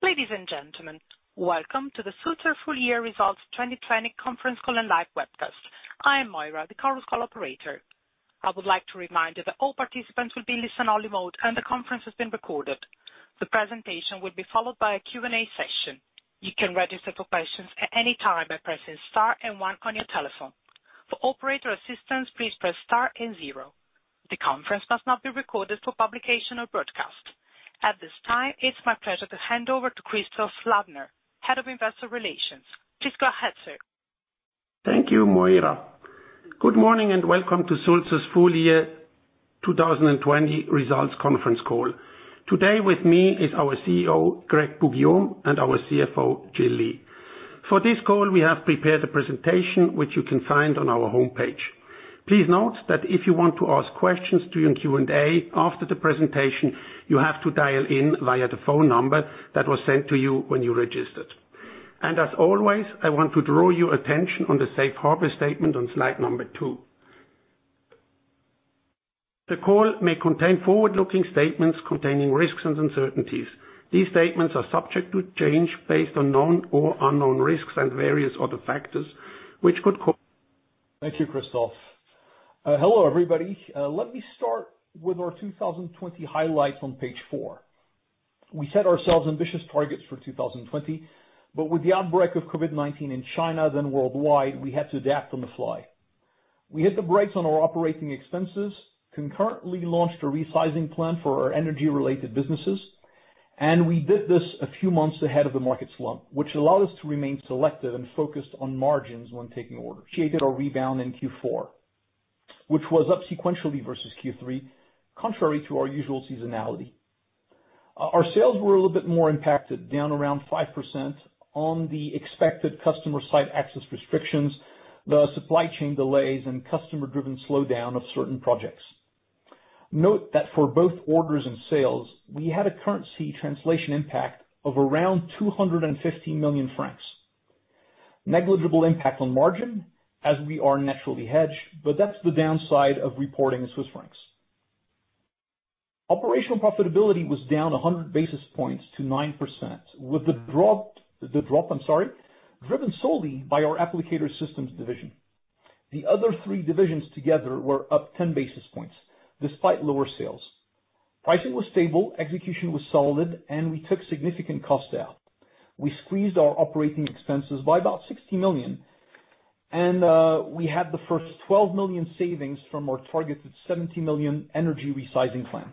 Ladies and gentlemen, welcome to the Sulzer Full Year Results 2020 Conference Call and live webcast. I am Moira, the conference call operator. I would like to remind you that all participants will be in listen-only mode, and the conference is being recorded. The presentation will be followed by a Q&A session. You can register for questions at any time by pressing star and one on your telephone. For operator assistance, please press star and zero. The conference must not be recorded for publication or broadcast. At this time, it is my pleasure to hand over to Christoph Ladner, Head of Investor Relations. Please go ahead, sir. Thank you, Moira. Good morning, and welcome to Sulzer's Full Year 2020 Results Conference Call. Today with me is our CEO, Greg Poux-Guillaume, and our CFO, Jill Lee. For this call, we have prepared a presentation, which you can find on our homepage. Please note that if you want to ask questions during Q&A after the presentation, you have to dial in via the phone number that was sent to you when you registered. As always, I want to draw your attention on the safe harbor statement on slide number two. The call may contain forward-looking statements containing risks and uncertainties. These statements are subject to change based on known or unknown risks and various other factors. Thank you, Christoph. Hello, everybody. Let me start with our 2020 highlights on page four. With the outbreak of COVID-19 in China, then worldwide, we had to adapt on the fly. We hit the brakes on our operating expenses, concurrently launched a resizing plan for our energy-related businesses, we did this a few months ahead of the market slump, which allowed us to remain selective and focused on margins when taking orders. We did our rebound in Q4, which was up sequentially versus Q3, contrary to our usual seasonality. Our sales were a little bit more impacted, down around 5% on the expected customer site access restrictions, the supply chain delays, and customer-driven slowdown of certain projects. Note that for both orders and sales, we had a currency translation impact of around 250 million francs. Negligible impact on margin, as we are naturally hedged, but that's the downside of reporting in Swiss francs. Operational profitability was down 100 basis points to 9% with the drop driven solely by our Applicator Systems division. The other three divisions together were up 10 basis points despite lower sales. Pricing was stable, execution was solid, and we took significant cost out. We squeezed our operating expenses by about 60 million, and we had the first 12 million savings from our targeted 70 million energy resizing plan.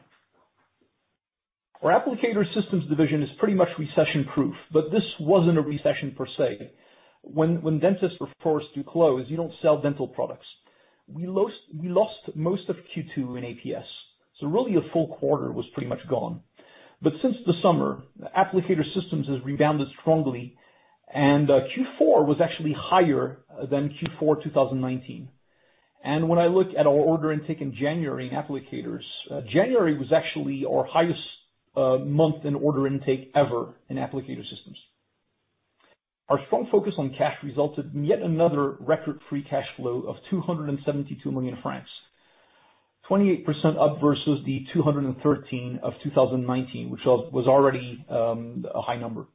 Our Applicator Systems division is pretty much recession-proof, but this wasn't a recession per se. When dentists were forced to close, you don't sell dental products. We lost most of Q2 in APS. Really a full quarter was pretty much gone. Since the summer, Applicator Systems has rebounded strongly, and Q4 was actually higher than Q4 2019. When I look at our order intake in January in Applicator Systems, January was actually our highest month in order intake ever in Applicator Systems. Our strong focus on cash resulted in yet another record free cash flow of 272 million francs, 28% up versus the 213 million of 2019, which was already a high number.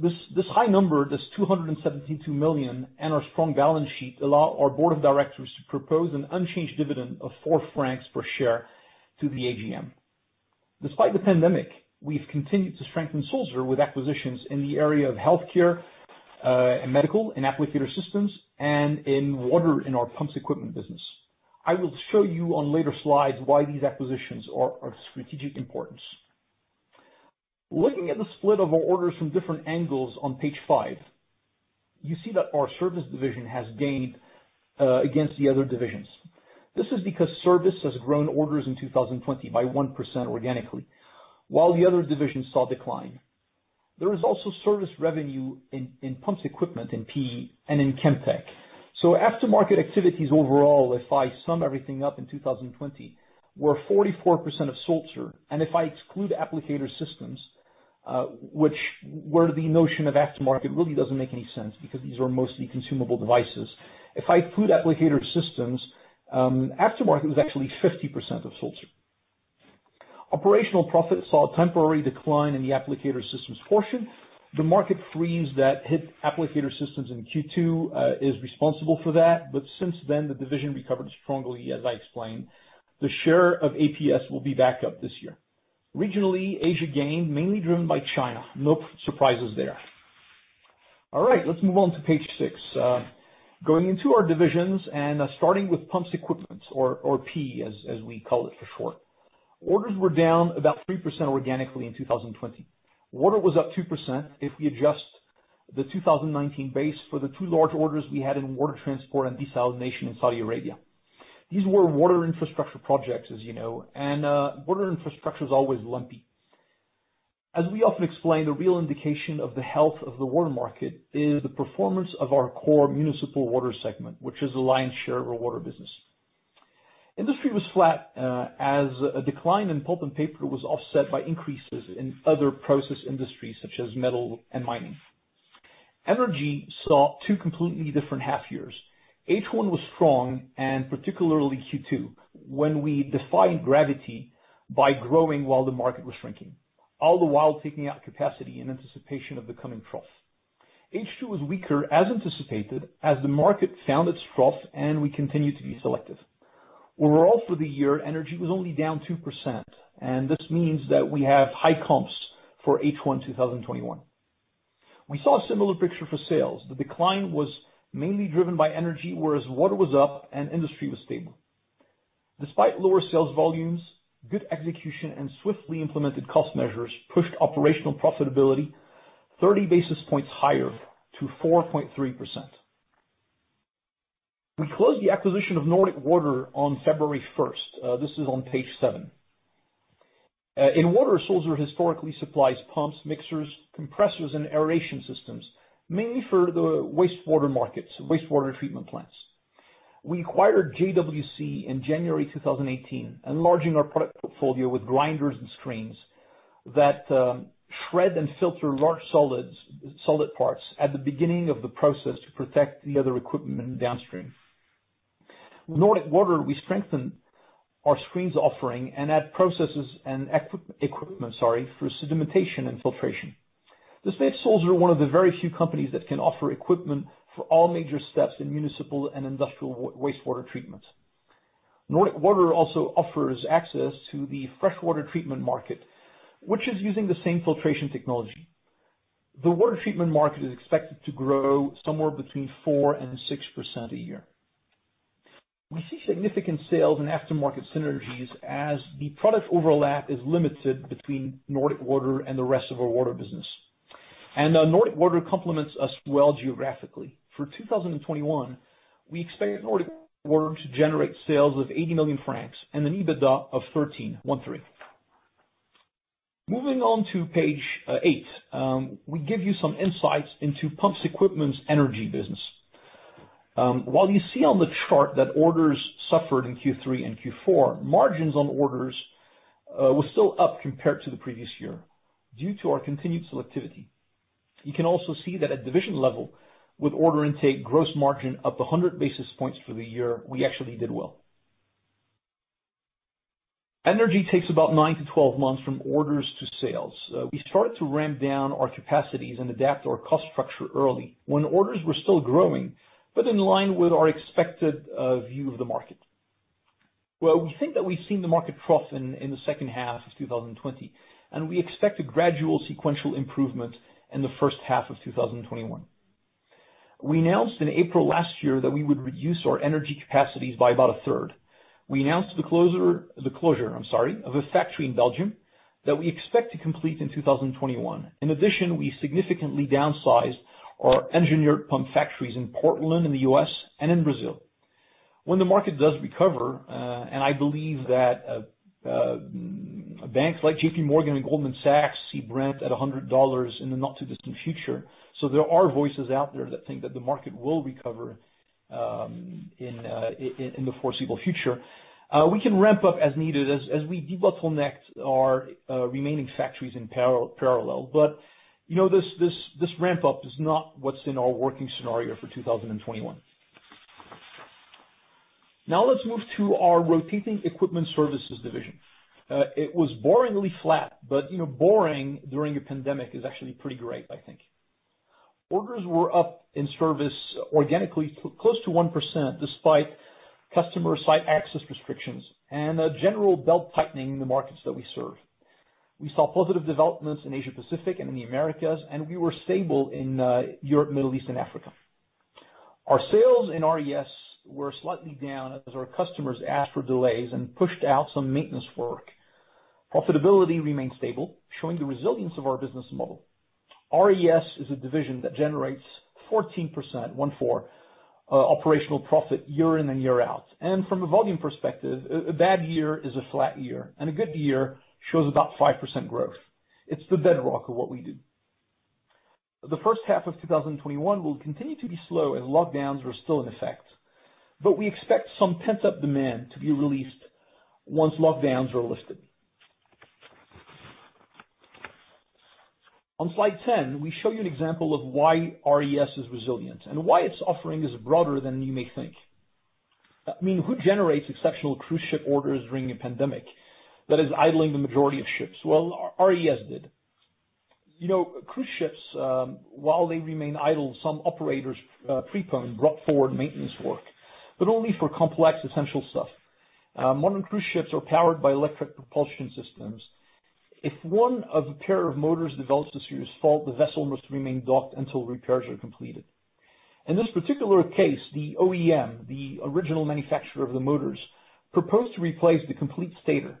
This high number, this 272 million, and our strong balance sheet allow our board of directors to propose an unchanged dividend of 4 francs per share to the AGM. Despite the pandemic, we've continued to strengthen Sulzer with acquisitions in the area of healthcare, and medical in Applicator Systems, and in water in our Pumps Equipment business. I will show you on later slides why these acquisitions are of strategic importance. Looking at the split of our orders from different angles on page five, you see that our Service division has gained against the other divisions. This is because Service has grown orders in 2020 by 1% organically, while the other divisions saw decline. There is also service revenue in Pumps Equipment, in PE, and in Chemtech. Aftermarket activities overall, if I sum everything up in 2020, were 44% of Sulzer. If I exclude Applicator Systems, where the notion of aftermarket really doesn't make any sense because these are mostly consumable devices. If I exclude Applicator Systems, aftermarket was actually 50% of Sulzer. Operational profit saw a temporary decline in the Applicator Systems portion. The market freeze that hit Applicator Systems in Q2 is responsible for that. Since then, the division recovered strongly, as I explained. The share of APS will be back up this year. Regionally, Asia gained, mainly driven by China. No surprises there. All right. Let's move on to page six. Going into our divisions and starting with Pumps Equipment, or PE as we call it for short. Orders were down about 3% organically in 2020. Water was up 2% if we adjust the 2019 base for the two large orders we had in water transport and desalination in Saudi Arabia. These were water infrastructure projects, as you know, and water infrastructure is always lumpy. As we often explain, the real indication of the health of the water market is the performance of our core municipal water segment, which is the lion's share of our water business. Industry was flat, as a decline in pulp and paper was offset by increases in other process industries such as metal and mining. Energy saw two completely different half years. H1 was strong, and particularly Q2, when we defied gravity by growing while the market was shrinking, all the while taking out capacity in anticipation of the coming trough. H2 was weaker, as anticipated, as the market found its trough and we continued to be selective. Overall for the year, energy was only down 2%, and this means that we have high comps for H1 2021. We saw a similar picture for sales. The decline was mainly driven by energy, whereas water was up and industry was stable. Despite lower sales volumes, good execution and swiftly implemented cost measures pushed operational profitability 30 basis points higher to 4.3%. We closed the acquisition of Nordic Water on February 1st. This is on page seven. In water, Sulzer historically supplies pumps, mixers, compressors, and aeration systems, mainly for the wastewater markets, wastewater treatment plants. We acquired JWC in January 2018, enlarging our product portfolio with grinders and screens that shred and filter large solid parts at the beginning of the process to protect the other equipment downstream. With Nordic Water, we strengthen our screens offering and add processes and equipment, sorry, for sedimentation and filtration. This makes Sulzer one of the very few companies that can offer equipment for all major steps in municipal and industrial wastewater treatment. Nordic Water also offers access to the freshwater treatment market, which is using the same filtration technology. The water treatment market is expected to grow somewhere between 4% and 6% a year. We see significant sales and aftermarket synergies as the product overlap is limited between Nordic Water and the rest of our water business. Nordic Water complements us well geographically. For 2021, we expect Nordic Water to generate sales of 80 million francs and an EBITDA of 13. Moving on to page eight. We give you some insights into Pumps Equipment's energy business. While you see on the chart that orders suffered in Q3 and Q4, margins on orders were still up compared to the previous year due to our continued selectivity. You can also see that at division level with order intake gross margin up 100 basis points for the year, we actually did well. Energy takes about nine to 12 months from orders to sales. We started to ramp down our capacities and adapt our cost structure early when orders were still growing, but in line with our expected view of the market. Well, we think that we've seen the market trough in the second half of 2020, and we expect a gradual sequential improvement in the first half of 2021. We announced in April last year that we would reduce our energy capacities by about a third. We announced the closure of a factory in Belgium that we expect to complete in 2021. In addition, we significantly downsized our engineered pump factories in Portland in the U.S. and in Brazil. When the market does recover, and I believe that banks like JPMorgan and Goldman Sachs see Brent at $100 in the not too distant future, so there are voices out there that think that the market will recover in the foreseeable future. We can ramp up as needed as we debottleneck our remaining factories in parallel. This ramp up is not what's in our working scenario for 2021. Now let's move to our Rotating Equipment Services division. It was boringly flat, but boring during a pandemic is actually pretty great, I think. Orders were up in service organically close to 1%, despite customer site access restrictions and a general belt-tightening in the markets that we serve. We saw positive developments in Asia-Pacific and in the Americas, and we were stable in Europe, Middle East, and Africa. Our sales in RES were slightly down as our customers asked for delays and pushed out some maintenance work. Profitability remained stable, showing the resilience of our business model. RES is a division that generates 14%, one four, operational profit year in and year out. From a volume perspective, a bad year is a flat year, and a good year shows about 5% growth. It's the bedrock of what we do. The first half of 2021 will continue to be slow as lockdowns are still in effect. We expect some pent-up demand to be released once lockdowns are lifted. On slide 10, we show you an example of why RES is resilient and why its offering is broader than you may think. I mean, who generates exceptional cruise ship orders during a pandemic that is idling the majority of ships? Well, RES did. Cruise ships, while they remain idle, some operators, pre-COVID-19, brought forward maintenance work, only for complex essential stuff. Modern cruise ships are powered by electric propulsion systems. If one of a pair of motors develops a serious fault, the vessel must remain docked until repairs are completed. In this particular case, the OEM, the original manufacturer of the motors, proposed to replace the complete stator,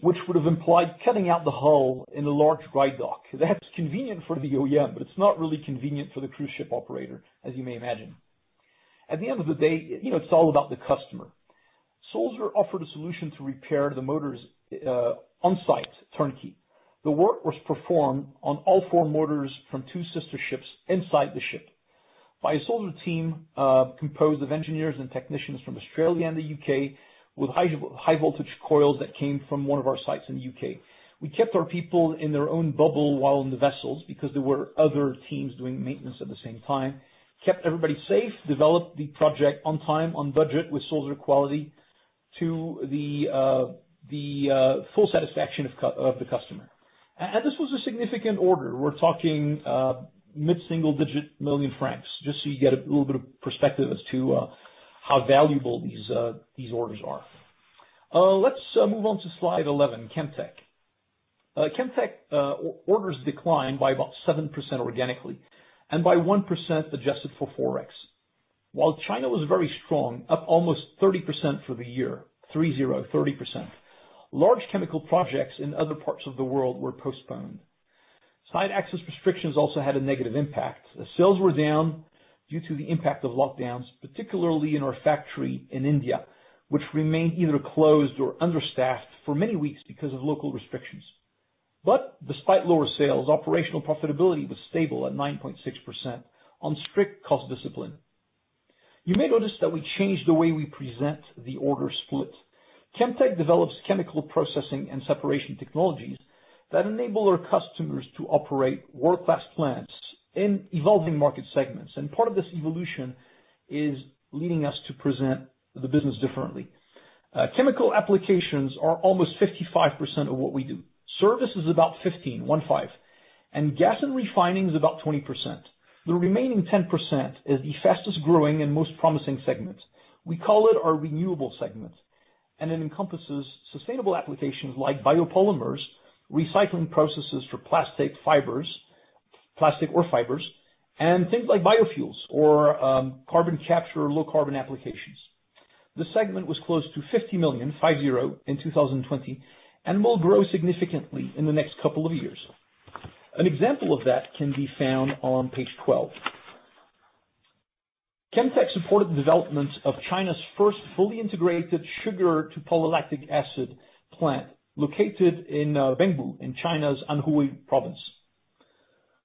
which would have implied cutting out the hull in a large dry dock. That's convenient for the OEM, but it's not really convenient for the cruise ship operator, as you may imagine. At the end of the day, it's all about the customer. Sulzer offered a solution to repair the motors on-site, turnkey. The work was performed on all four motors from two sister ships inside the ship by a Sulzer team composed of engineers and technicians from Australia and the U.K. with high voltage coils that came from one of our sites in the U.K. We kept our people in their own bubble while in the vessels because there were other teams doing maintenance at the same time. Kept everybody safe, developed the project on time, on budget, with Sulzer quality to the full satisfaction of the customer. This was a significant order. We're talking mid-single digit million CHF, just so you get a little bit of perspective as to how valuable these orders are. Let's move on to slide 11, Chemtech. Chemtech orders declined by about 7% organically and by 1% adjusted for Forex. While China was very strong, up almost 30% for the year, three, zero 30%. Large chemical projects in other parts of the world were postponed. Site access restrictions also had a negative impact. Sales were down due to the impact of lockdowns, particularly in our factory in India, which remained either closed or understaffed for many weeks because of local restrictions. Despite lower sales, operational profitability was stable at 9.6% on strict cost discipline. You may notice that we changed the way we present the order split. Chemtech develops chemical processing and separation technologies that enable our customers to operate world-class plants in evolving market segments. Part of this evolution is leading us to present the business differently. Chemical applications are almost 55% of what we do. Service is about 15%, and gas and refining is about 20%. The remaining 10% is the fastest-growing and most promising segment. We call it our renewable segment, and it encompasses sustainable applications like biopolymers, recycling processes for plastic or fibers, and things like biofuels or carbon capture or low carbon applications. The segment was close to 50 million in 2020 and will grow significantly in the next couple of years. An example of that can be found on page 12. Chemtech supported the development of China's first fully integrated sugar to polylactic acid plant located in Bengbu, in China's Anhui province.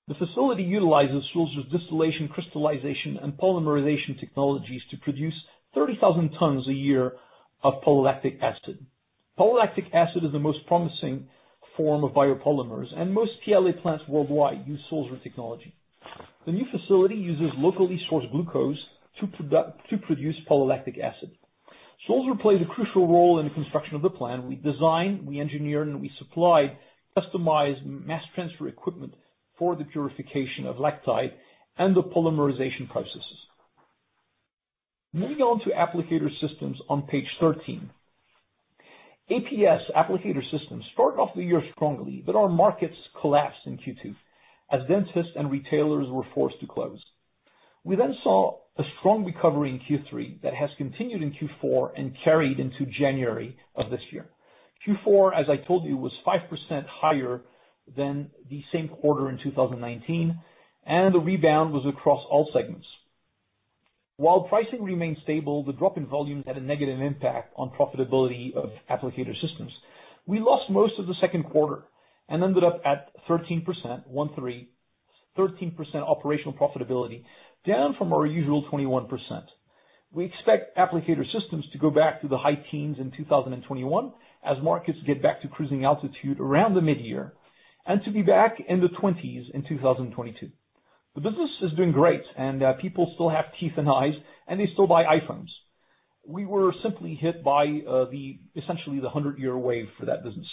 The facility utilizes Sulzer's distillation, crystallization, and polymerization technologies to produce 30,000 tons a year of polylactic acid. Polylactic acid is the most promising form of biopolymers, and most PLA plants worldwide use Sulzer technology. The new facility uses locally sourced glucose to produce polylactic acid. Sulzer played a crucial role in the construction of the plant. We designed, we engineered, and we supplied customized mass transfer equipment for the purification of lactide and the polymerization processes. Moving on to Applicator Systems on page 13. APS, Applicator Systems, started off the year strongly, but our markets collapsed in Q2 as dentists and retailers were forced to close. We then saw a strong recovery in Q3 that has continued in Q4 and carried into January of this year. Q4, as I told you, was 5% higher than the same quarter in 2019, and the rebound was across all segments. While pricing remained stable, the drop in volumes had a negative impact on profitability of Applicator Systems. We lost most of the second quarter and ended up at 13% operational profitability, down from our usual 21%. We expect Applicator Systems to go back to the high teens in 2021 as markets get back to cruising altitude around the mid-year and to be back in the 20% in 2022. The business is doing great. People still have teeth and eyes. They still buy iPhones. We were simply hit by essentially the 100-year wave for that business.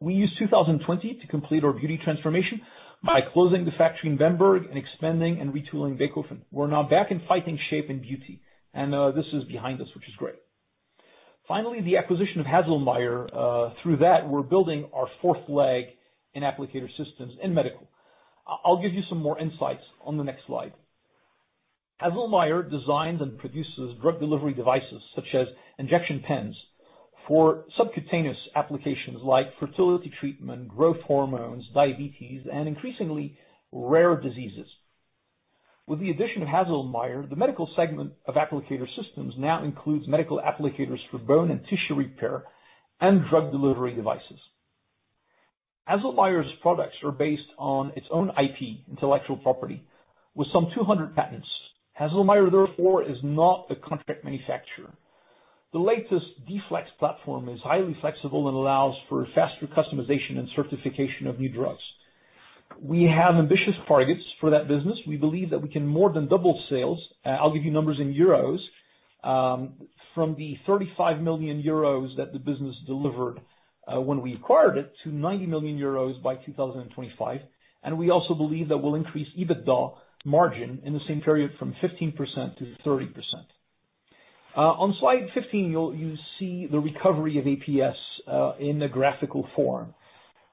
We used 2020 to complete our beauty transformation by closing the factory in Bernburg and expanding and retooling Bechhofen. We're now back in fighting shape in beauty, and this is behind us, which is great. Finally, the acquisition of Haselmeier. Through that, we're building our fourth leg in Applicator Systems in medical. I'll give you some more insights on the next slide. Haselmeier designs and produces drug delivery devices such as injection pens for subcutaneous applications like fertility treatment, growth hormones, diabetes, and increasingly rare diseases. With the addition of Haselmeier, the medical segment of Applicator Systems now includes medical applicators for bone and tissue repair and drug delivery devices. Haselmeier's products are based on its own IP, intellectual property, with some 200 patents. Haselmeier, therefore, is not a contract manufacturer. The latest D-Flex platform is highly flexible and allows for faster customization and certification of new drugs. We have ambitious targets for that business. We believe that we can more than double sales. I'll give you numbers in euros, from the 35 million euros that the business delivered when we acquired it to 90 million euros by 2025. We also believe that we'll increase EBITDA margin in the same period from 15% to 30%. On slide 15, you see the recovery of APS in a graphical form.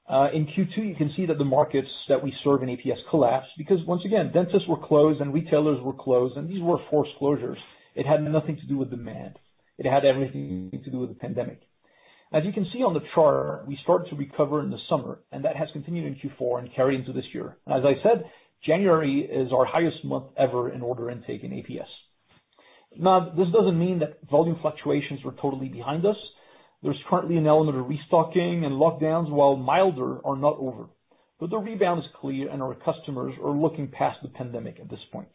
In Q2, you can see that the markets that we serve in APS collapsed because once again, dentists were closed and retailers were closed. These were forced closures. It had nothing to do with demand. It had everything to do with the pandemic. As you can see on the chart, we start to recover in the summer. That has continued in Q4 and carried into this year. As I said, January is our highest month ever in order intake in APS. This doesn't mean that volume fluctuations are totally behind us. There's currently an element of restocking, and lockdowns, while milder, are not over. The rebound is clear, and our customers are looking past the pandemic at this point.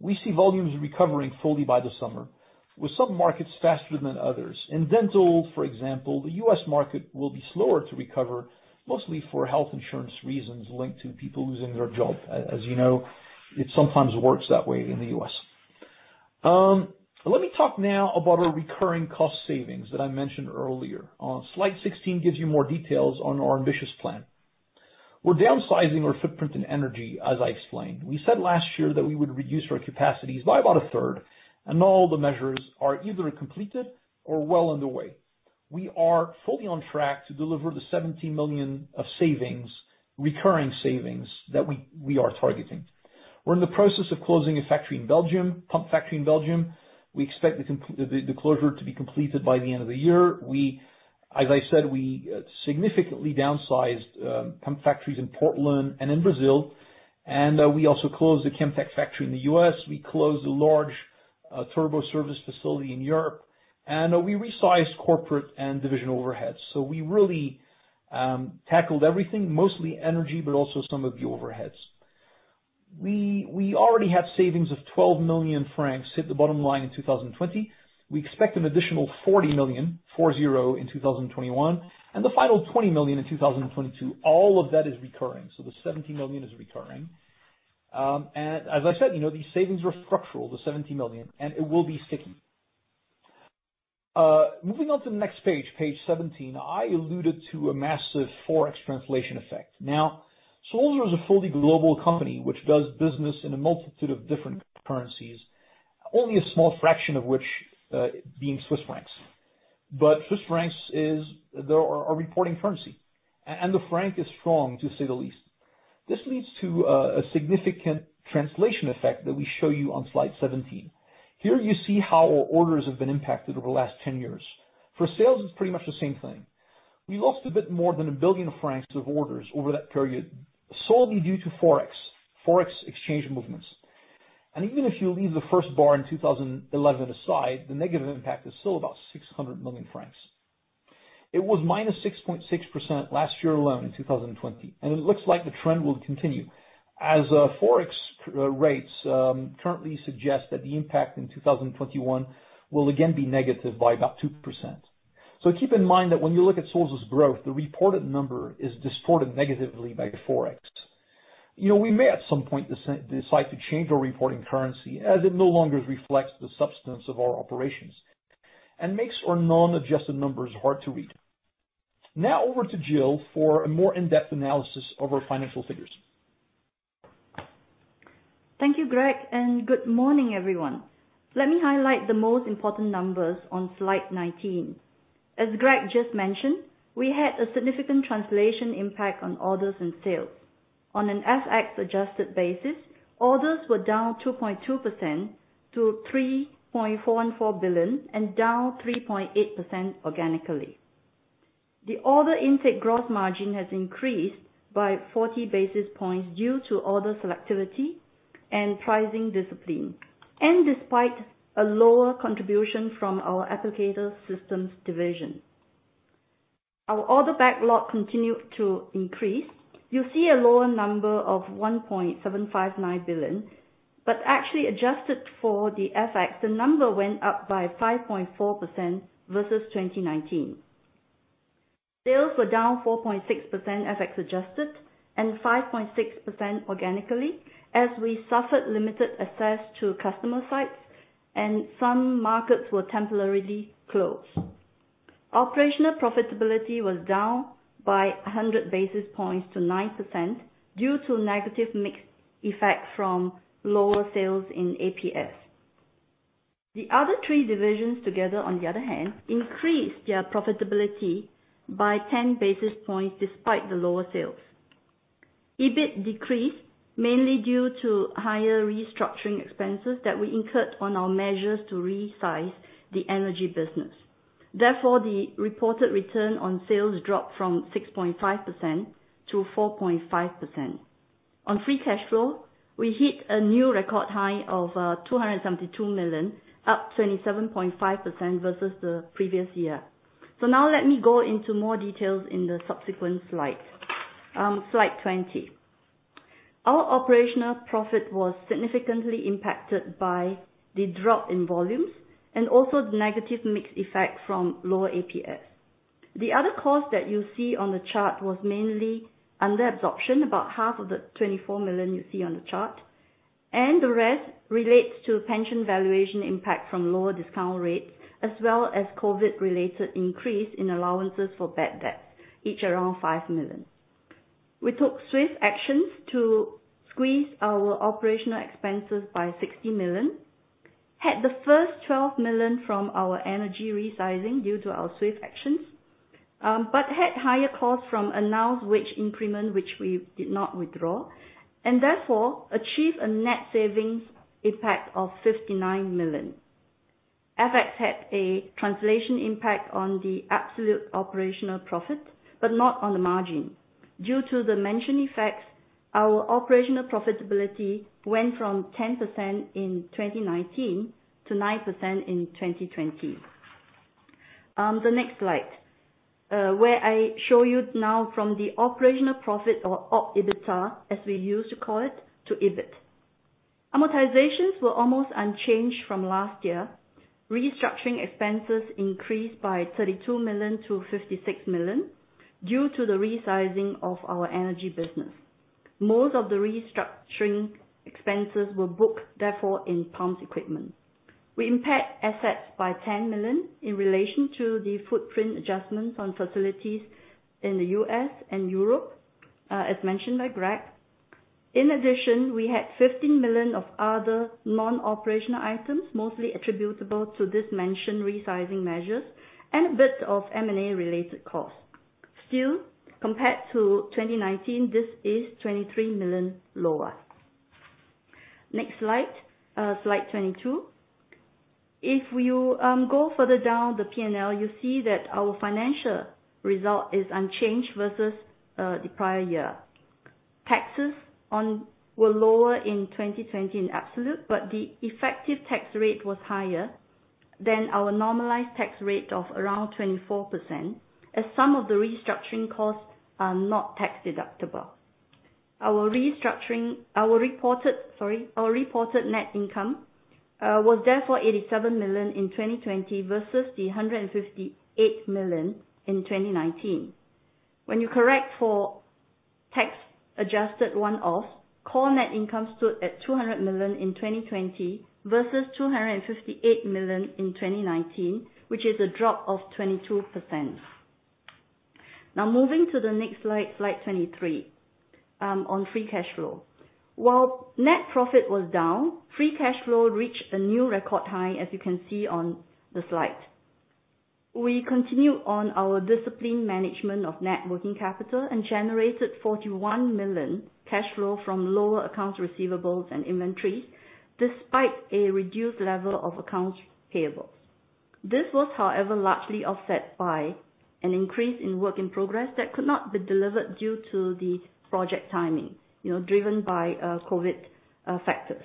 We see volumes recovering fully by the summer, with some markets faster than others. In dental, for example, the U.S. market will be slower to recover, mostly for health insurance reasons linked to people losing their jobs. As you know, it sometimes works that way in the U.S. Let me talk now about our recurring cost savings that I mentioned earlier. Slide 16 gives you more details on our ambitious plan. We're downsizing our footprint in energy, as I explained. We said last year that we would reduce our capacities by about a third, and all the measures are either completed or well underway. We are fully on track to deliver the 70 million of recurring savings that we are targeting. We're in the process of closing a pump factory in Belgium. We expect the closure to be completed by the end of the year. As I said, we significantly downsized pump factories in Portland and in Brazil, and we also closed the Chemtech factory in the U.S. We closed a large turbo service facility in Europe, and we resized corporate and division overheads. We really tackled everything, mostly energy, but also some of the overheads. We already had savings of 12 million francs hit the bottom line in 2020. We expect an additional 40 million, four, zero, in 2021, and the final 20 million in 2022. All of that is recurring. The 70 million is recurring. As I said, these savings are structural, the 70 million, and it will be sticky. Moving on to the next page 17, I alluded to a massive Forex translation effect. Sulzer is a fully global company which does business in a multitude of different currencies, only a small fraction of which being Swiss francs. Swiss francs is our reporting currency, and the franc is strong, to say the least. This leads to a significant translation effect that we show you on slide 17. Here you see how our orders have been impacted over the last 10 years. For sales, it's pretty much the same thing. We lost a bit more than 1 billion francs of orders over that period, solely due to Forex exchange movements. Even if you leave the first bar in 2011 aside, the negative impact is still about 600 million francs. It was -6.6% last year alone in 2020, and it looks like the trend will continue, as Forex rates currently suggest that the impact in 2021 will again be negative by about 2%. Keep in mind that when you look at Sulzer's growth, the reported number is distorted negatively by Forex. We may, at some point, decide to change our reporting currency, as it no longer reflects the substance of our operations and makes our non-adjusted numbers hard to read. Now over to Jill for a more in-depth analysis of our financial figures. Thank you, Greg, and good morning, everyone. Let me highlight the most important numbers on slide 19. As Greg just mentioned, we had a significant translation impact on orders and sales. On an FX-adjusted basis, orders were down 2.2% to 3.414 billion and down 3.8% organically. The order intake growth margin has increased by 40 basis points due to order selectivity and pricing discipline. Despite a lower contribution from our Applicator Systems division. Our order backlog continued to increase. You see a lower number of 1.759 billion, but actually adjusted for the FX, the number went up by 5.4% versus 2019. Sales were down 4.6% FX adjusted and 5.6% organically as we suffered limited access to customer sites and some markets were temporarily closed. Operational profitability was down by 100 basis points to 9% due to negative mix effect from lower sales in APS. The other three divisions together, on the other hand, increased their profitability by 10 basis points despite the lower sales. EBIT decreased mainly due to higher restructuring expenses that we incurred on our measures to resize the energy business. The reported return on sales dropped from 6.5% to 4.5%. On free cash flow, we hit a new record high of 272 million, up 27.5% versus the previous year. Now let me go into more details in the subsequent slides. Slide 20. Our operational profit was significantly impacted by the drop in volumes and also the negative mix effect from lower APS. The other cost that you see on the chart was mainly under absorption, about half of the 24 million you see on the chart. The rest relates to pension valuation impact from lower discount rates as well as COVID-19 related increase in allowances for bad debts, each around 5 million. We took swift actions to squeeze our OpEx by 60 million, had the first 12 million from our energy resizing due to our swift actions, had higher costs from announced wage increment, which we did not withdraw. Therefore, achieved a net savings impact of 59 million. FX had a translation impact on the absolute operational profit, not on the margin. Due to the mentioned effects, our operational profitability went from 10% in 2019 to 9% in 2020. The next slide, where I show you now from the operational profit or opEBITA, as we used to call it, to EBIT. Amortizations were almost unchanged from last year. Restructuring expenses increased by 32 million to 56 million due to the resizing of our energy business. Most of the restructuring expenses were booked, therefore, in Pumps Equipment. We impaired assets by 10 million in relation to the footprint adjustments on facilities in the U.S. and Europe, as mentioned by Greg. In addition, we had 15 million of other non-operational items, mostly attributable to this mentioned resizing measures and a bit of M&A-related costs. Still, compared to 2019, this is 23 million lower. Next slide 22. If you go further down the P&L, you see that our financial result is unchanged versus the prior year. Taxes were lower in 2020 in absolute, but the effective tax rate was higher than our normalized tax rate of around 24%, as some of the restructuring costs are not tax-deductible. Our reported net income was therefore 87 million in 2020 versus the 158 million in 2019. When you correct for tax-adjusted one-offs, core net income stood at 200 million in 2020 versus 258 million in 2019, which is a drop of 22%. Moving to the next slide 23, on free cash flow. While net profit was down, free cash flow reached a new record high, as you can see on the slide. We continue on our discipline management of net working capital and generated 41 million cash flow from lower accounts receivables and inventories, despite a reduced level of accounts payables. This was, however, largely offset by an increase in work in progress that could not be delivered due to the project timing, driven by COVID factors.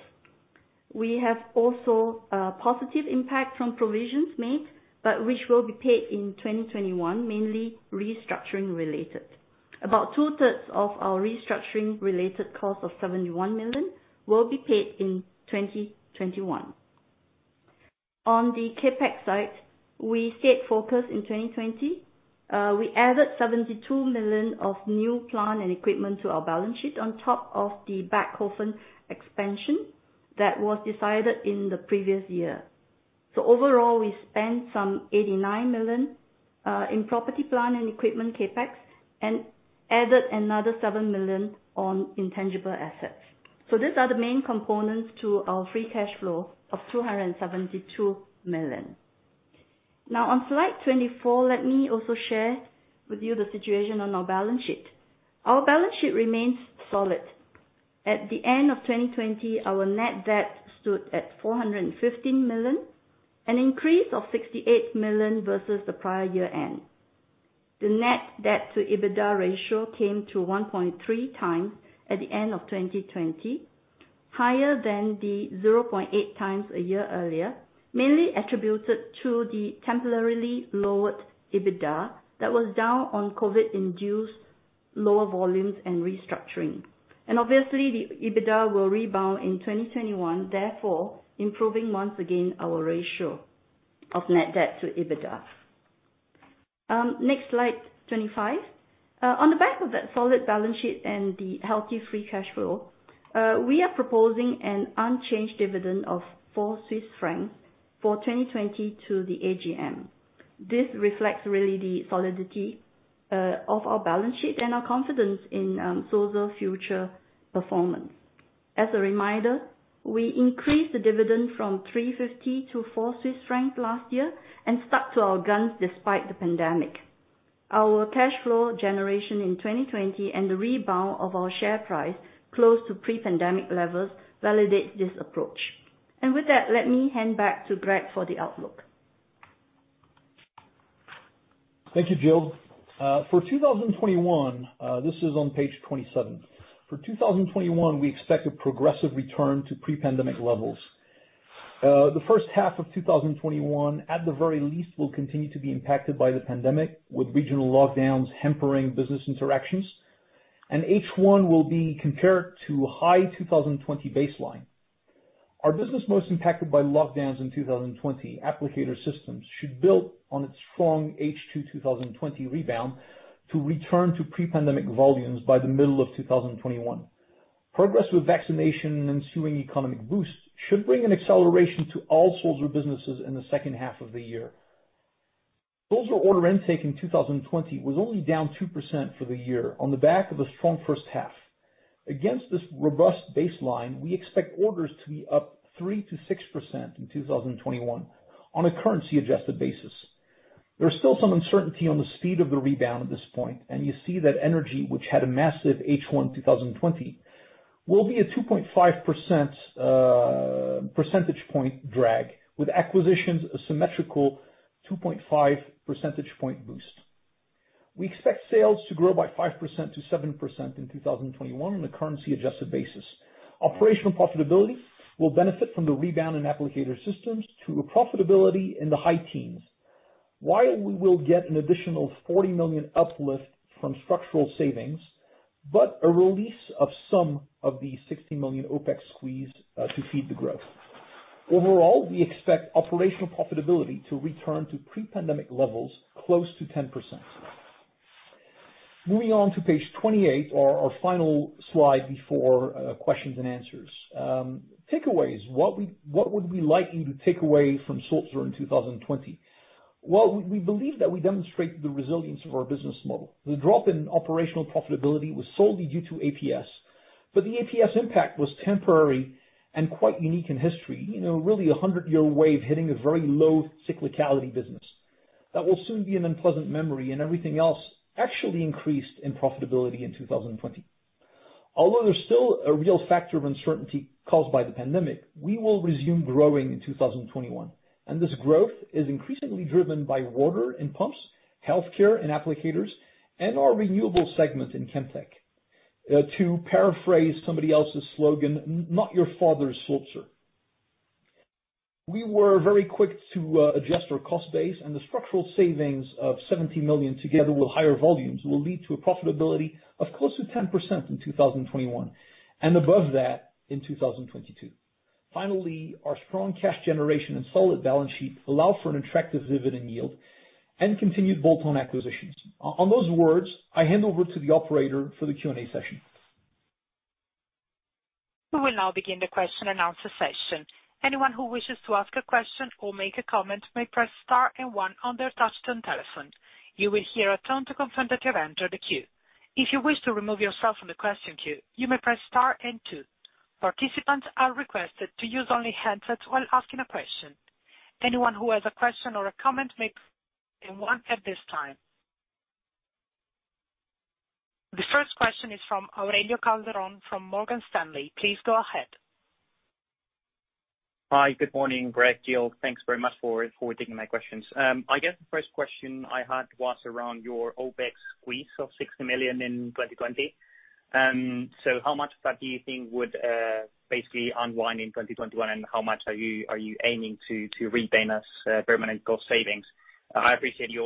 We have also a positive impact from provisions made, but which will be paid in 2021, mainly restructuring related. About two-thirds of our restructuring-related cost of 71 million will be paid in 2021. On the CapEx side, we stayed focused in 2020. We added 72 million of new plant and equipment to our balance sheet on top of the Bechhofen expansion that was decided in the previous year. Overall, we spent some 89 million in property, plant, and equipment CapEx and added another 7 million on intangible assets. These are the main components to our free cash flow of 272 million. Now on slide 24, let me also share with you the situation on our balance sheet. Our balance sheet remains solid. At the end of 2020, our net debt stood at 415 million, an increase of 68 million versus the prior year end. The net debt to EBITDA ratio came to 1.3x at the end of 2020, higher than the 0.8x a year earlier, mainly attributed to the temporarily lowered EBITDA that was down on COVID-induced lower volumes and restructuring. Obviously, the EBITDA will rebound in 2021, therefore, improving once again our ratio of net debt to EBITDA. Next slide, 25. On the back of that solid balance sheet and the healthy free cash flow, we are proposing an unchanged dividend of CHF four for 2020 to the AGM. This reflects really the solidity of our balance sheet and our confidence in Sulzer's future performance. As a reminder, we increased the dividend from 3.50 to 4 Swiss francs last year and stuck to our guns despite the pandemic. Our cash flow generation in 2020 and the rebound of our share price close to pre-pandemic levels validates this approach. With that, let me hand back to Greg for the outlook. Thank you, Jill. For 2021, this is on page 27. For 2021, we expect a progressive return to pre-pandemic levels. The first half of 2021, at the very least, will continue to be impacted by the pandemic, with regional lockdowns hampering business interactions, and H1 will be compared to a high 2020 baseline. Our business most impacted by lockdowns in 2020, Applicator Systems, should build on its strong H2 2020 rebound to return to pre-pandemic volumes by the middle of 2021. Progress with vaccination and ensuing economic boosts should bring an acceleration to all Sulzer businesses in the second half of the year. Sulzer order intake in 2020 was only down 2% for the year on the back of a strong first half. Against this robust baseline, we expect orders to be up 3%-6% in 2021 on a currency-adjusted basis. There's still some uncertainty on the speed of the rebound at this point. You see that energy, which had a massive H1 2020, will be a 2.5 percentage point drag. With acquisitions, a symmetrical 2.5 percentage point boost. We expect sales to grow by 5%-7% in 2021 on a currency adjusted basis. Operational profitability will benefit from the rebound in Applicator Systems to a profitability in the high teens, while we will get an additional 40 million uplift from structural savings, but a release of some of the 60 million OpEx squeeze to feed the growth. Overall, we expect operational profitability to return to pre-pandemic levels close to 10%. Moving on to page 28, our final slide before questions and answers. Takeaways. What would we like you to take away from Sulzer in 2020? Well, we believe that we demonstrate the resilience of our business model. The APS impact was temporary and quite unique in history. Really a 100-year wave hitting a very low cyclicality business that will soon be an unpleasant memory. Everything else actually increased in profitability in 2020. Although there's still a real factor of uncertainty caused by the pandemic, we will resume growing in 2021. This growth is increasingly driven by water and pumps, healthcare and applicators, and our renewable segment in Chemtech. To paraphrase somebody else's slogan, not your father's Sulzer. We were very quick to adjust our cost base and the structural savings of 70 million, together with higher volumes, will lead to a profitability of close to 10% in 2021, and above that in 2022. Finally, our strong cash generation and solid balance sheet allow for an attractive dividend yield and continued bolt-on acquisitions. On those words, I hand over to the operator for the Q&A session. The first question is from Aurelio Calderon from Morgan Stanley. Please go ahead. Hi. Good morning, Greg, Jill. Thanks very much for taking my questions. I guess the first question I had was around your OpEx squeeze of 60 million in 2020. How much of that do you think would basically unwind in 2021, and how much are you aiming to retain as permanent cost savings? I appreciate you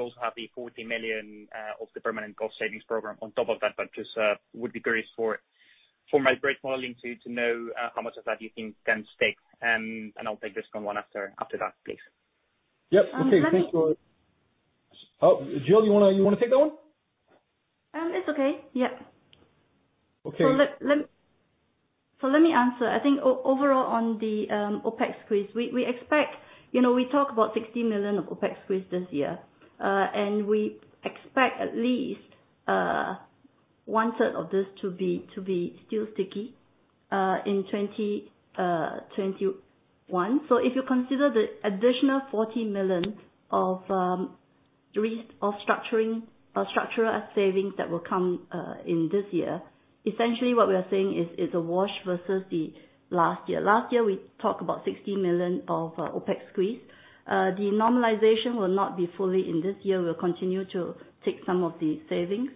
also have the 40 million of the permanent cost savings program on top of that, but just would be curious for my broker modeling to know how much of that you think can stick. I'll take the second one after that, please. Yep. Okay. Oh, Jill, you want to take that one? It's okay. Yeah. Okay. Let me answer. I think overall on the OpEx squeeze, we talk about 60 million of OpEx squeeze this year. We expect at least one third of this to be still sticky in 2021. If you consider the additional 40 million of structural savings that will come in this year, essentially what we are saying is a wash versus the last year. Last year, we talked about 60 million of OpEx squeeze. The normalization will not be fully in this year. We'll continue to take some of the savings,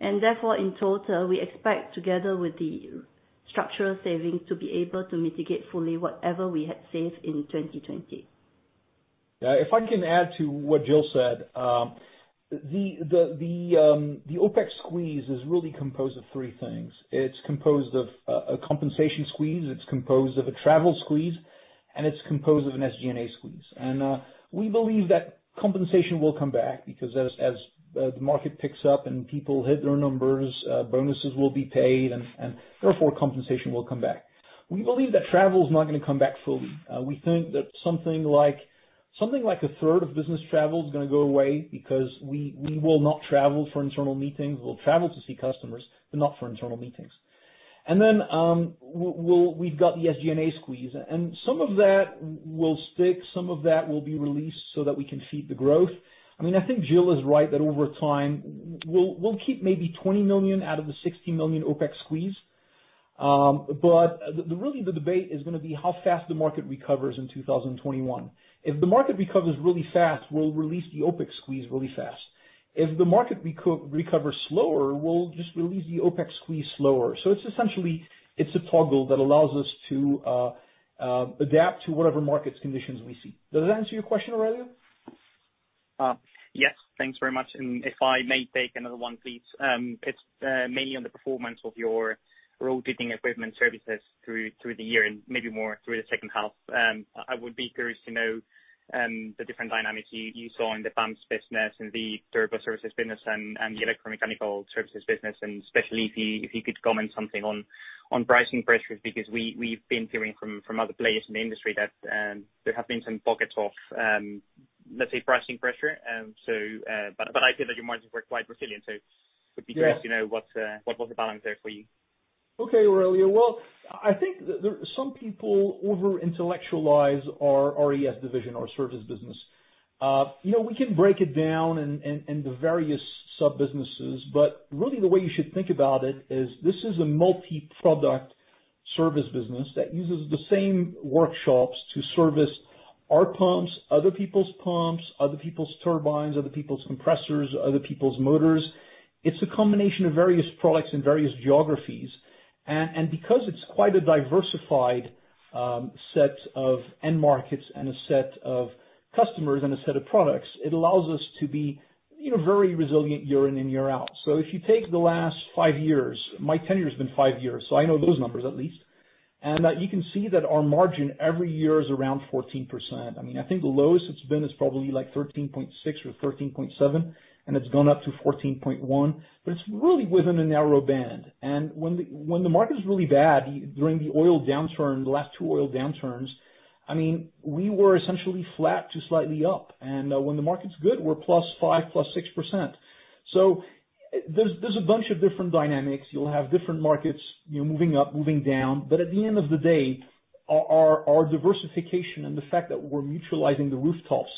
and therefore in total, we expect, together with the structural savings, to be able to mitigate fully whatever we had saved in 2020. If I can add to what Jill said. The OpEx squeeze is really composed of three things. It's composed of a compensation squeeze, it's composed of a travel squeeze, and it's composed of an SG&A squeeze. We believe that compensation will come back because as the market picks up and people hit their numbers, bonuses will be paid and therefore compensation will come back. We believe that travel is not going to come back fully. We think that something like a third of business travel is going to go away because we will not travel for internal meetings. We'll travel to see customers, but not for internal meetings. We've got the SG&A squeeze, and some of that will stick, some of that will be released so that we can feed the growth. I think Jill is right, that over time, we'll keep maybe 20 million out of the 60 million OpEx squeeze. Really the debate is going to be how fast the market recovers in 2021. If the market recovers really fast, we'll release the OpEx squeeze really fast. If the market recovers slower, we'll just release the OpEx squeeze slower. It's essentially a toggle that allows us to adapt to whatever market conditions we see. Does that answer your question, Aurelio? Yes, thanks very much. If I may take another one, please. It's mainly on the performance of your Rotating Equipment Services through the year and maybe more through the second half. I would be curious to know the different dynamics you saw in the pumps business and the turbo services business and the electromechanical services business, and especially if you could comment something on pricing pressures, because we've been hearing from other players in the industry that there have been some pockets of, let's say, pricing pressure. I see that your margins were quite resilient, so would be curious to know what the balance there for you. Okay, Aurelio. Well, I think that some people over-intellectualize our RES division, our services business. We can break it down in the various sub-businesses, but really the way you should think about it is this is a multi-product service business that uses the same workshops to service our pumps, other people's pumps, other people's turbines, other people's compressors, other people's motors. It's a combination of various products and various geographies. Because it's quite a diversified set of end markets and a set of customers and a set of products, it allows us to be very resilient year in and year out. If you take the last five years, my tenure's been five years, so I know those numbers at least, and you can see that our margin every year is around 14%. I think the lowest it's been is probably 13.6% or 13.7%, and it's gone up to 14.1%, but it's really within a narrow band. When the market is really bad, during the oil downturn, the last two oil downturns, we were essentially flat to slightly up. When the market's good, we're +5%, +6%. There's a bunch of different dynamics. You'll have different markets, moving up, moving down. At the end of the day, our diversification and the fact that we're mutualizing the rooftops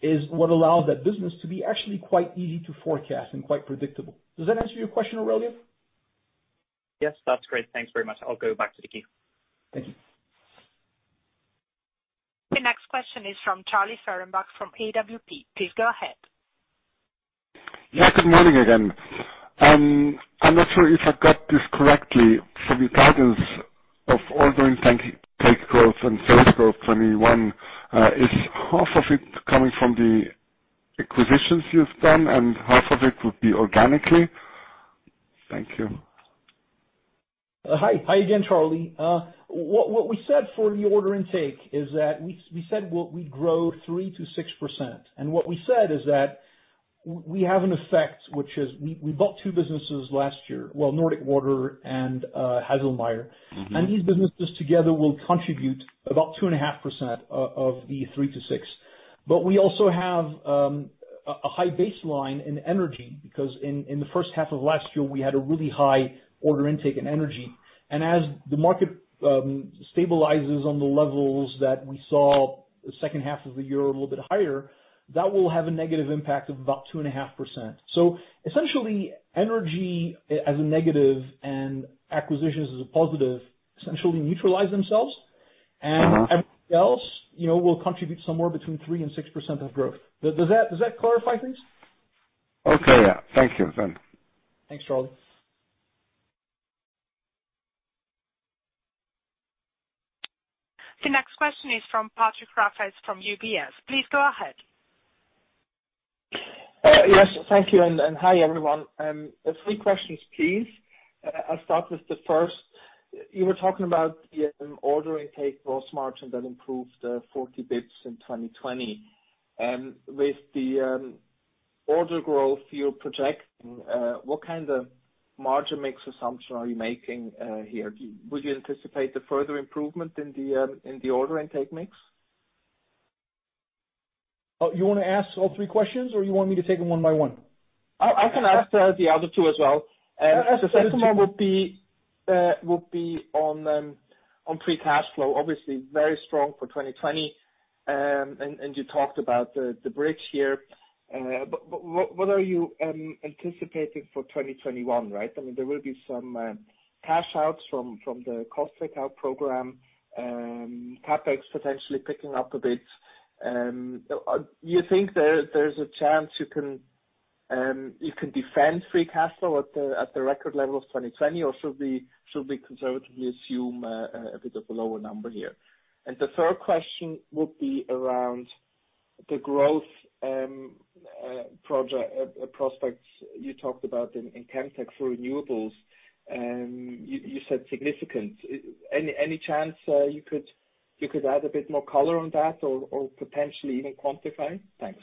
is what allows that business to be actually quite easy to forecast and quite predictable. Does that answer your question, Aurelio? Yes. That's great. Thanks very much. I'll go back to queue. Thank you. The next question is from Charlie Fehrenbach from AWP. Please go ahead. Yeah. Good morning again. I'm not sure if I got this correctly. For the targets of order intake growth and sales growth 2021, is half of it coming from the acquisitions you've done and half of it would be organically? Thank you. Hi again, Charlie. What we said for the order intake is that we said we grow 3% to 6%. What we said is that we have an effect, which is we bought two businesses last year, Nordic Water and Haselmeier. These businesses together will contribute about 2.5% of the 3%-6%. We also have a high baseline in energy because in the first half of last year, we had a really high order intake in energy. As the market stabilizes on the levels that we saw the second half of the year, a little bit higher, that will have a negative impact of about 2.5%. Essentially, energy as a negative and acquisitions as a positive essentially neutralize themselves. Everything else will contribute somewhere between 3% and 6% of growth. Does that clarify things? Okay, yeah. Thank you then. Thanks, Charlie. The next question is from Patrick Rafaisz from UBS. Please go ahead. Yes. Thank you, and hi, everyone. Three questions, please. I'll start with the first. You were talking about the order intake gross margin that improved 40 basis points in 2020. With the order growth you're projecting, what kind of margin mix assumption are you making here? Would you anticipate a further improvement in the order intake mix? Oh, you want to ask all three questions or you want me to take them one by one? I can ask the other two as well. The second one would be on free cash flow. Obviously very strong for 2020, and you talked about the bridge here. What are you anticipating for 2021, right? There will be some cash outs from the cost takeout program, CapEx potentially picking up a bit. Do you think there's a chance you can defend free cash flow at the record level of 2020, or should we conservatively assume a bit of a lower number here? The third question would be around the growth prospects you talked about in Chemtech for renewables. You said significant. Any chance you could add a bit more color on that or potentially even quantify? Thanks.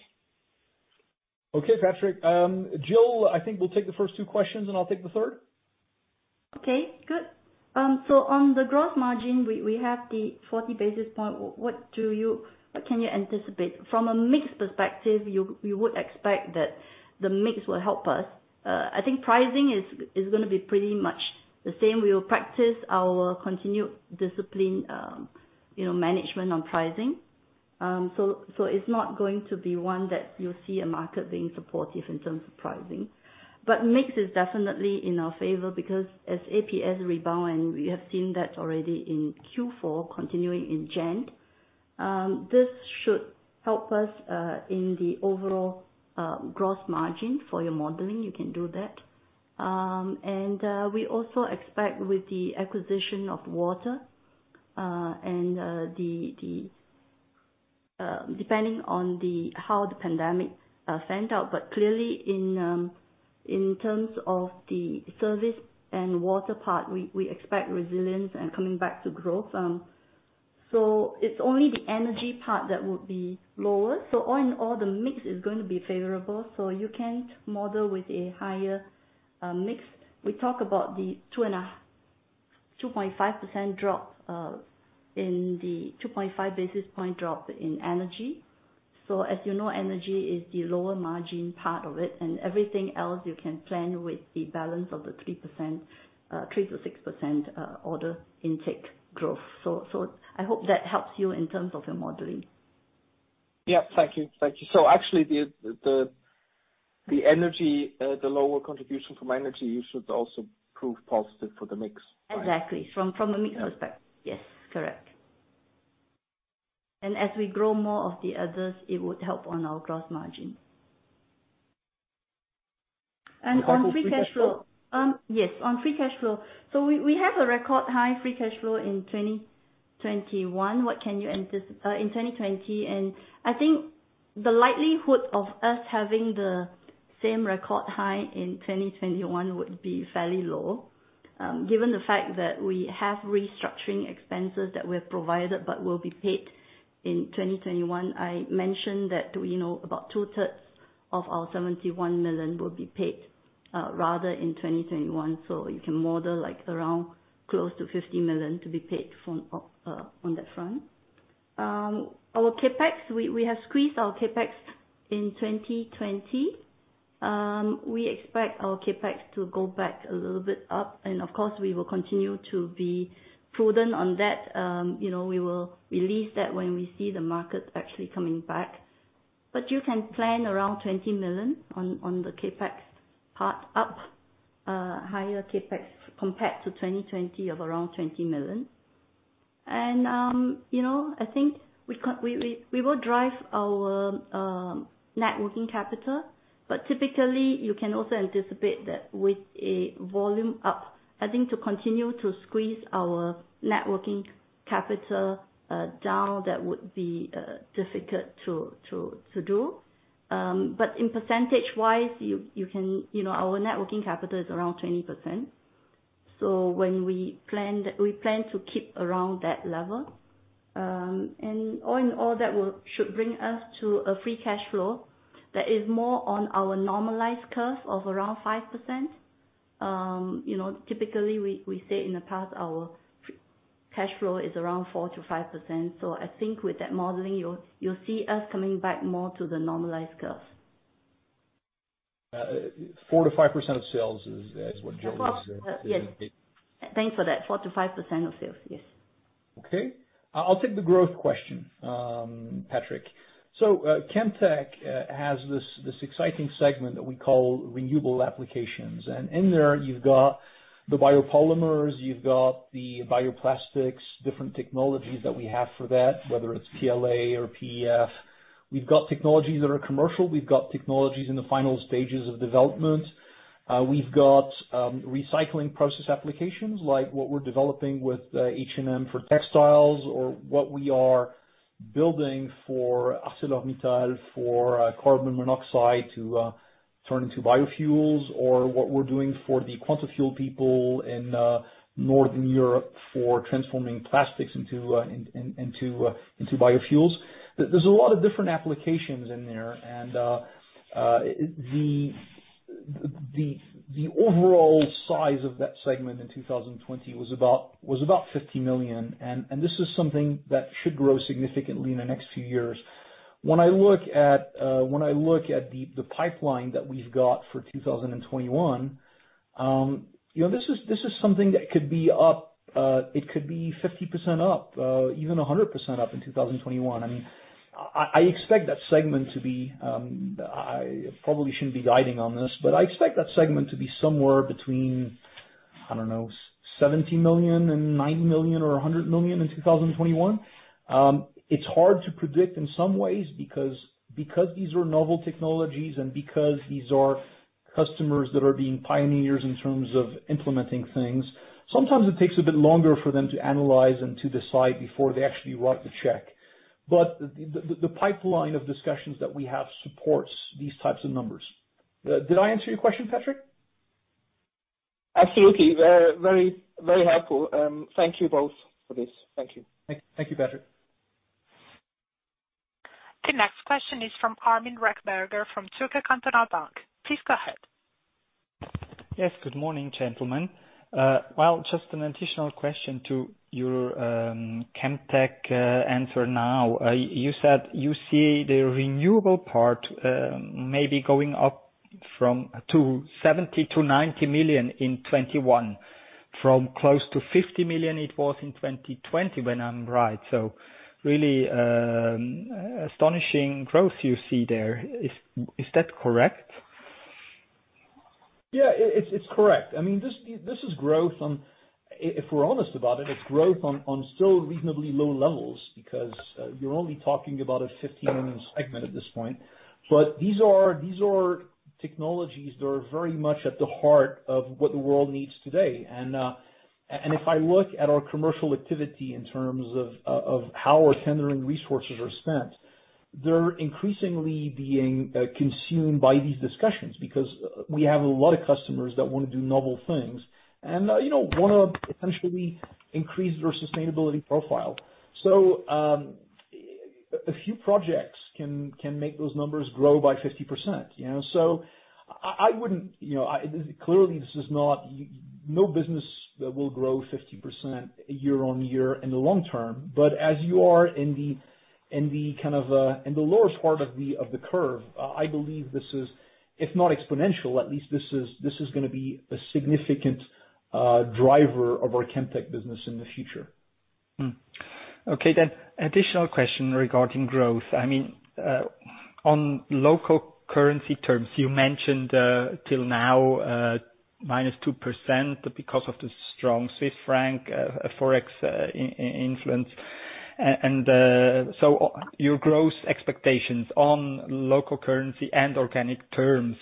Okay, Patrick. Jill, I think we'll take the first two questions and I'll take the third. On the growth margin, we have the 40 basis point. What can you anticipate? From a mix perspective, you would expect that the mix will help us. I think pricing is going to be pretty much the same. We will practice our continued discipline management on pricing. It's not going to be one that you'll see a market being supportive in terms of pricing. Mix is definitely in our favor because as APS rebound, and we have seen that already in Q4 continuing in January, this should help us in the overall gross margin for your modeling. You can do that. We also expect with the acquisition of Nordic Water, depending on how the pandemic pans out. Clearly in terms of the service and water part, we expect resilience and coming back to growth. It's only the energy part that would be lower. All in all, the mix is going to be favorable, so you can model with a higher mix. We talk about the 2.5 basis point drop in energy. So as you know, energy is the lower margin part of it, and everything else you can plan with the balance of the 3%-6% order intake growth. I hope that helps you in terms of your modeling. Yeah, thank you. Actually, the lower contribution from energy should also prove positive for the mix. Exactly. From a mix perspective. Yes, correct. As we grow more of the others, it would help on our gross margin. On free cash flow. Yes, on free cash flow. We have a record high free cash flow in 2020. I think the likelihood of us having the same record high in 2021 would be fairly low, given the fact that we have restructuring expenses that we have provided but will be paid in 2021. I mentioned that we know about two-thirds of our 71 million will be paid rather in 2021. You can model around close to 50 million to be paid on that front. Our CapEx, we have squeezed our CapEx in 2020. We expect our CapEx to go back a little bit up, and of course, we will continue to be prudent on that. We will release that when we see the market actually coming back. You can plan around 20 million on the CapEx part up, higher CapEx compared to 2020 of around 20 million. I think we will drive our net working capital, but typically you can also anticipate that with volume up. I think to continue to squeeze our net working capital down, that would be difficult to do. In percentage-wise, our net working capital is around 20%. We plan to keep around that level. All in all, that should bring us to a free cash flow that is more on our normalized curve of around 5%. Typically, we say in the past, our cash flow is around 4%-5%. I think with that modeling, you'll see us coming back more to the normalized curve. 4%-5% of sales is what Jill said. Yes. Thanks for that. 4%-5% of sales. Yes. Okay. I'll take the growth question, Patrick. Chemtech has this exciting segment that we call renewable applications. In there you've got the biopolymers, you've got the bioplastics, different technologies that we have for that, whether it's PLA or PEF. We've got technologies that are commercial. We've got technologies in the final stages of development. We've got recycling process applications like what we're developing with H&M for textiles, or what we are building for ArcelorMittal for carbon monoxide to turn into biofuels, or what we're doing for the Quantafuel people in Northern Europe for transforming plastics into biofuels. There's a lot of different applications in there. The overall size of that segment in 2020 was about 50 million, and this is something that should grow significantly in the next few years. When I look at the pipeline that we've got for 2021, this is something that could be 50% up, even 100% up in 2021. I probably shouldn't be guiding on this, but I expect that segment to be somewhere between, I don't know, 70 million and 90 million or 100 million in 2021. It's hard to predict in some ways because these are novel technologies and because these are customers that are being pioneers in terms of implementing things. Sometimes it takes a bit longer for them to analyze and to decide before they actually write the check. The pipeline of discussions that we have supports these types of numbers. Did I answer your question, Patrick? Absolutely. Very helpful. Thank you both for this. Thank you. Thank you, Patrick. The next question is from Armin Rechberger from Zürcher Kantonalbank. Please go ahead. Yes. Good morning, gentlemen. Well, just an additional question to your Chemtech answer now. You said you see the renewable part maybe going up from 70 million to 90 million in 2021, from close to 50 million it was in 2020, when I'm right. Really astonishing growth you see there. Is that correct? Yeah, it's correct. This is growth on, if we're honest about it's growth on still reasonably low levels because you're only talking about a 50 million segment at this point. These are technologies that are very much at the heart of what the world needs today. If I look at our commercial activity in terms of how our tendering resources are spent, they're increasingly being consumed by these discussions because we have a lot of customers that want to do novel things and want to potentially increase their sustainability profile. A few projects can make those numbers grow by 50%. I wouldn't. Clearly, no business will grow 50% year-on-year in the long term. As you are in the lowest part of the curve, I believe this is, if not exponential, at least this is going to be a significant driver of our Chemtech business in the future. Okay, additional question regarding growth. On local currency terms, you mentioned till now, -2% because of the strong Swiss franc, Forex influence. Your growth expectations on local currency and organic terms,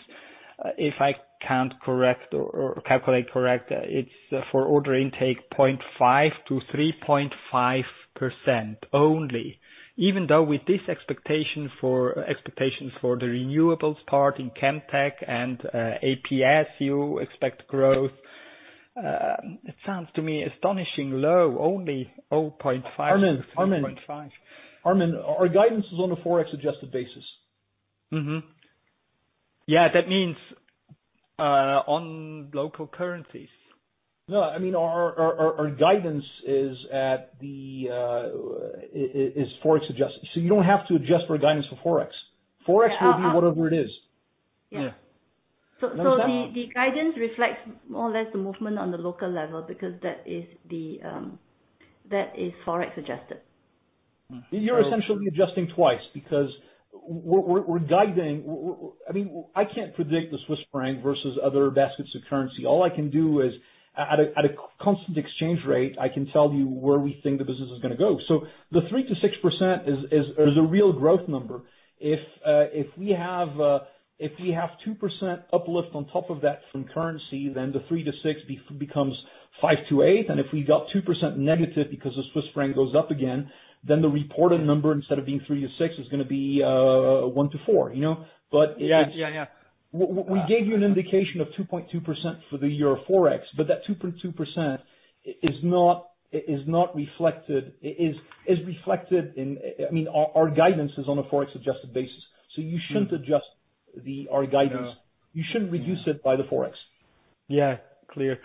if I count correct or calculate correct, it's for order intake 0.5%-3.5% only. Even though with this expectation for the renewables part in Chemtech and APS, you expect growth. It sounds to me astonishingly low, only 0.5%-3.5%. Armin, our guidance is on a Forex-adjusted basis. Mm-hmm. Yeah, that means on local currencies. No, our guidance is Forex-adjusted. You don't have to adjust for guidance for Forex. Forex will be whatever it is. Yeah. The guidance reflects more or less the movement on the local level, because that is Forex-adjusted. You're essentially adjusting twice because we're guiding I can't predict the Swiss franc versus other baskets of currency. All I can do is, at a constant exchange rate, I can tell you where we think the business is going to go. The 3%-6% is a real growth number. If we have 2% uplift on top of that from currency, then the 3%-6% becomes 5%-8%. If we got 2% negative because the Swiss franc goes up again, then the reported number, instead of being 3%-6%, is going to be 1%-4%. Yeah. We gave you an indication of 2.2% for the year Forex, but that 2.2% is reflected in our guidance is on a Forex-adjusted basis. You shouldn't adjust our guidance. Yeah. You shouldn't reduce it by the Forex. Yeah. Clear.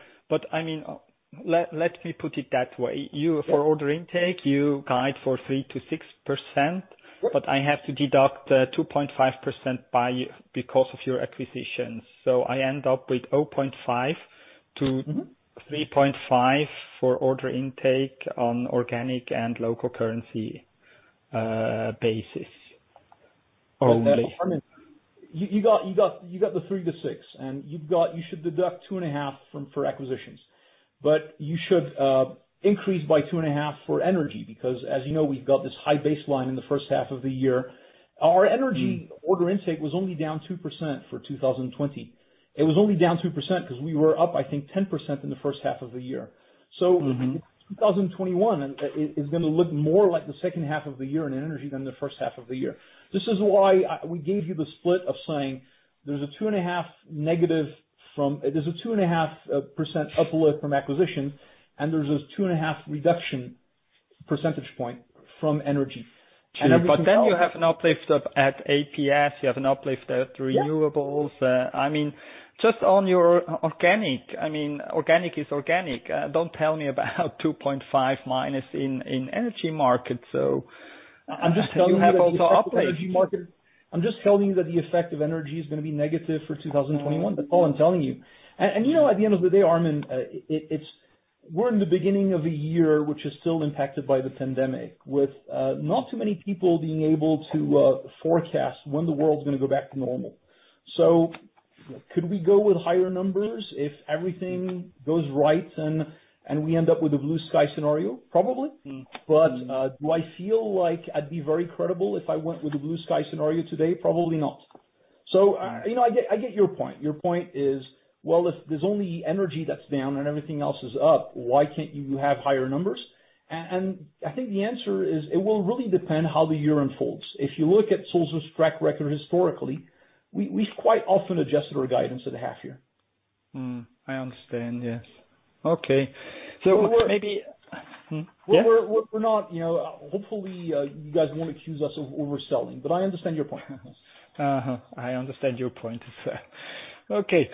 Let me put it that way. For order intake, you guide for 3%-6%. Right. I have to deduct 2.5% because of your acquisitions. I end up with 0.5%-3.5% for order intake on organic and local currency basis only. Armin, you got the 3%-6%, and you should deduct 2.5% for acquisitions. You should increase by 2.5% for energy, because as you know, we've got this high baseline in the first half of the year. Our energy order intake was only down 2% for 2020. It was only down 2% because we were up, I think, 10% in the first half of the year. 2021 is going to look more like the second half of the year in energy than the first half of the year. This is why we gave you the split of saying there's a 2.5% uplift from acquisition, and there's a 2.5% reduction percentage point from energy. You have an uplift at APS, you have an uplift at renewables. Yeah. Just on your organic is organic. Don't tell me about 2.5 minus in energy markets. You have also uptake. I'm just telling you that the effect of energy is going to be negative for 2021. That's all I'm telling you. At the end of the day, Armin, we're in the beginning of a year, which is still impacted by the pandemic, with not too many people being able to forecast when the world's going to go back to normal. Could we go with higher numbers if everything goes right and we end up with a blue sky scenario? Probably. Do I feel like I'd be very credible if I went with a blue sky scenario today? Probably not. I get your point. Your point is, well, if there's only energy that's down and everything else is up, why can't you have higher numbers? I think the answer is, it will really depend how the year unfolds. If you look at Sulzer's track record historically, we've quite often adjusted our guidance at the half year. I understand. Yes. Okay. maybe Yeah. Hopefully, you guys won't accuse us of overselling, but I understand your point. I understand your point. Okay.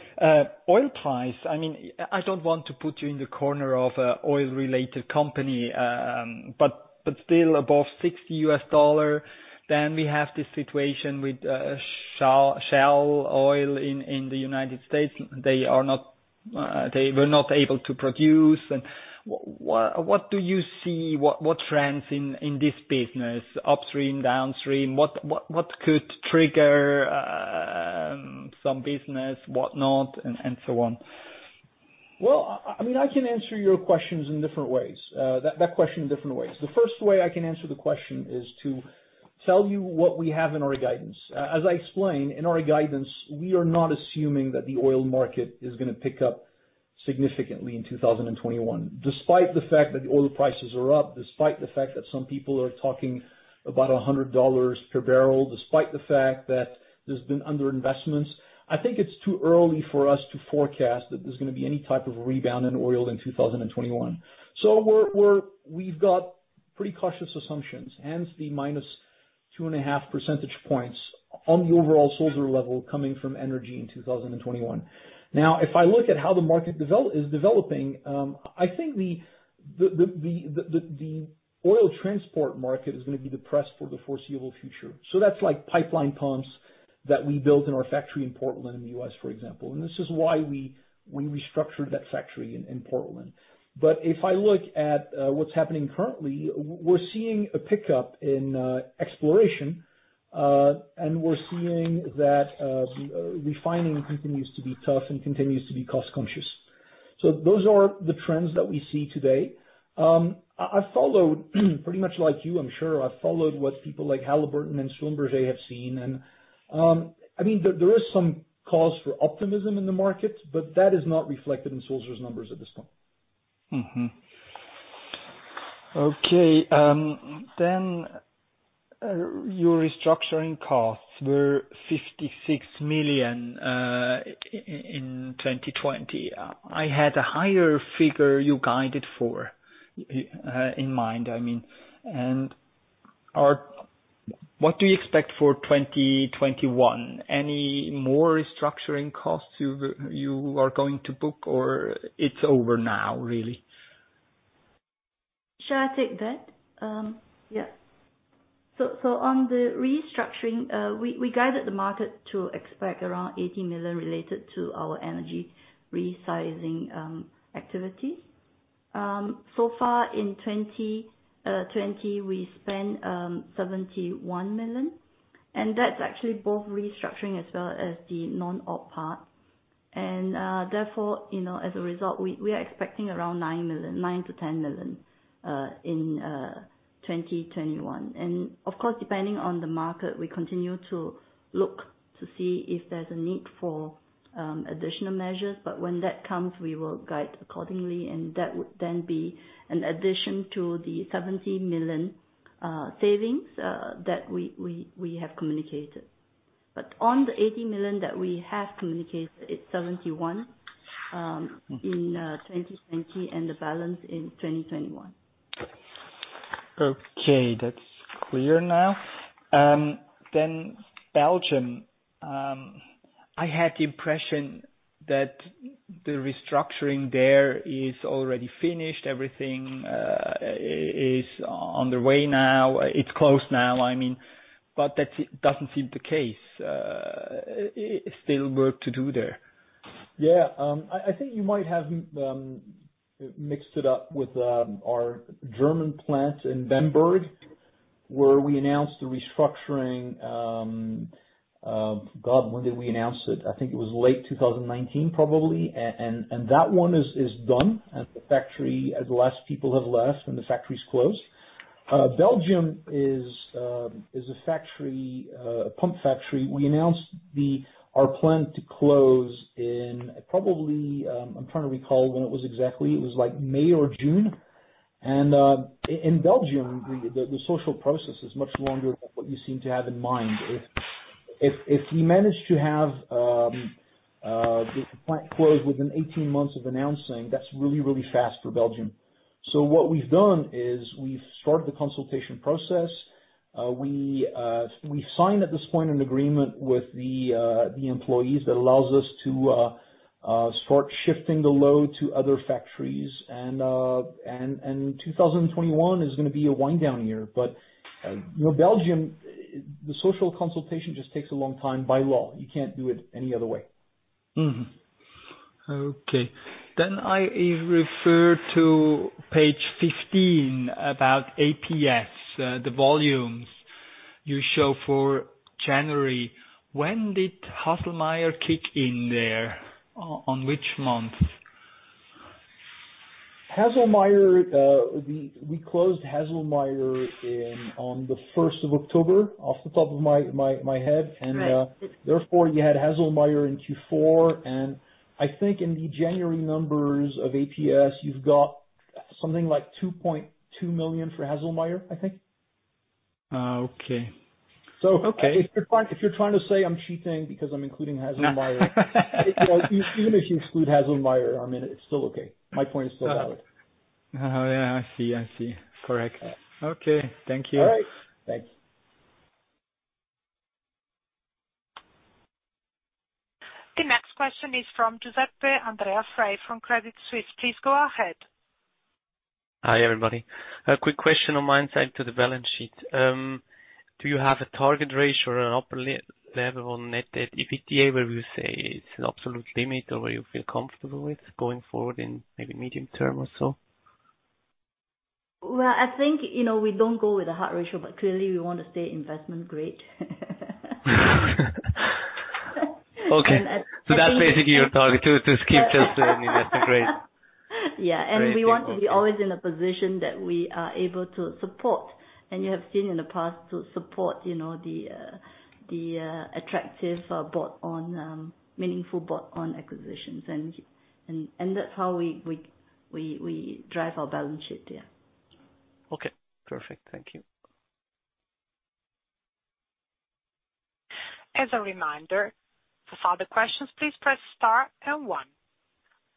Oil price. I don't want to put you in the corner of an oil-related company, but still above $60, then we have this situation with shale oil in the United States. They were not able to produce. What do you see, what trends in this business, upstream, downstream? What could trigger some business, what not, and so on? I can answer your question in different ways. The first way I can answer the question is to tell you what we have in our guidance. As I explained, in our guidance, we are not assuming that the oil market is going to pick up significantly in 2021. Despite the fact that the oil prices are up, despite the fact that some people are talking about $100 per barrel, despite the fact that there's been underinvestments. I think it's too early for us to forecast that there's going to be any type of rebound in oil in 2021. We've got pretty cautious assumptions, hence the minus two and a half percentage points on the overall Sulzer level coming from energy in 2021. Now, if I look at how the market is developing, I think the oil transport market is going to be depressed for the foreseeable future. That's like pipeline pumps that we build in our factory in Portland, in the U.S., for example. This is why we restructured that factory in Portland. If I look at what's happening currently, we're seeing a pickup in exploration, and we're seeing that refining continues to be tough and continues to be cost-conscious. Those are the trends that we see today. I followed, pretty much like you, I'm sure, I followed what people like Halliburton and Schlumberger have seen, and there is some cause for optimism in the market, but that is not reflected in Sulzer's numbers at this time. Okay. Your restructuring costs were 56 million in 2020. I had a higher figure you guided for, in mind, I mean, what do you expect for 2021? Any more restructuring costs you are going to book, or it's over now really? Shall I take that? Yeah. On the restructuring, we guided the market to expect around 80 million related to our energy resizing activities. So far in 2020, we spent 71 million, and that's actually both restructuring as well as the non-op part. Therefore, as a result, we are expecting around 9 million-10 million in 2021. Of course, depending on the market, we continue to look to see if there's a need for additional measures. When that comes, we will guide accordingly, and that would then be an addition to the 70 million savings that we have communicated. On the 80 million that we have communicated, it's 71 in 2020 and the balance in 2021. Okay. That's clear now. Belgium, I had the impression that the restructuring there is already finished. Everything is on the way now. It's closed now, I mean. That doesn't seem the case. Still work to do there. Yeah. I think you might have mixed it up with our German plant in Bamberg, where we announced the restructuring. God, when did we announce it? I think it was late 2019 probably. That one is done, and the factory, the last people have left, and the factory is closed. Belgium is a pump factory. We announced our plan to close in probably, I'm trying to recall when it was exactly. It was like May or June. In Belgium, the social process is much longer than what you seem to have in mind. If we manage to have the plant closed within 18 months of announcing, that's really, really fast for Belgium. What we've done is we've started the consultation process. We signed, at this point, an agreement with the employees that allows us to start shifting the load to other factories. 2021 is going to be a wind-down year. Belgium, the social consultation just takes a long time by law. You can't do it any other way. Okay. I refer to page 15 about APS, the volumes you show for January. When did Haselmeier kick in there? On which month? We closed Haselmeier on the first of October, off the top of my head. Right. Therefore, you had Haselmeier in Q4, in the January numbers of APS, you've got something like 2.2 million for Haselmeier, I think. Okay. If you're trying to say I'm cheating because I'm including Haselmeier. Even if you exclude Haselmeier, it's still okay. My point is still valid. Oh, yeah, I see. Correct. Okay. Thank you. All right. Thanks. The next question is from Giuseppe Andrea Frey from Credit Suisse. Please go ahead. Hi, everybody. A quick question on my end to the balance sheet. Do you have a target ratio or an upper level on net debt EBITDA where we say it's an absolute limit, or you feel comfortable with going forward in maybe medium-term or so? Well, I think we don't go with a hard ratio, but clearly we want to stay investment grade. Okay. That's basically your target, to keep to an investment grade. Yeah. Great. Okay. We want to be always in a position that we are able to support. You have seen in the past to support the attractive meaningful bolt-on acquisitions. That's how we drive our balance sheet, yeah. Okay, perfect. Thank you. As a reminder, for further questions, please press star and one.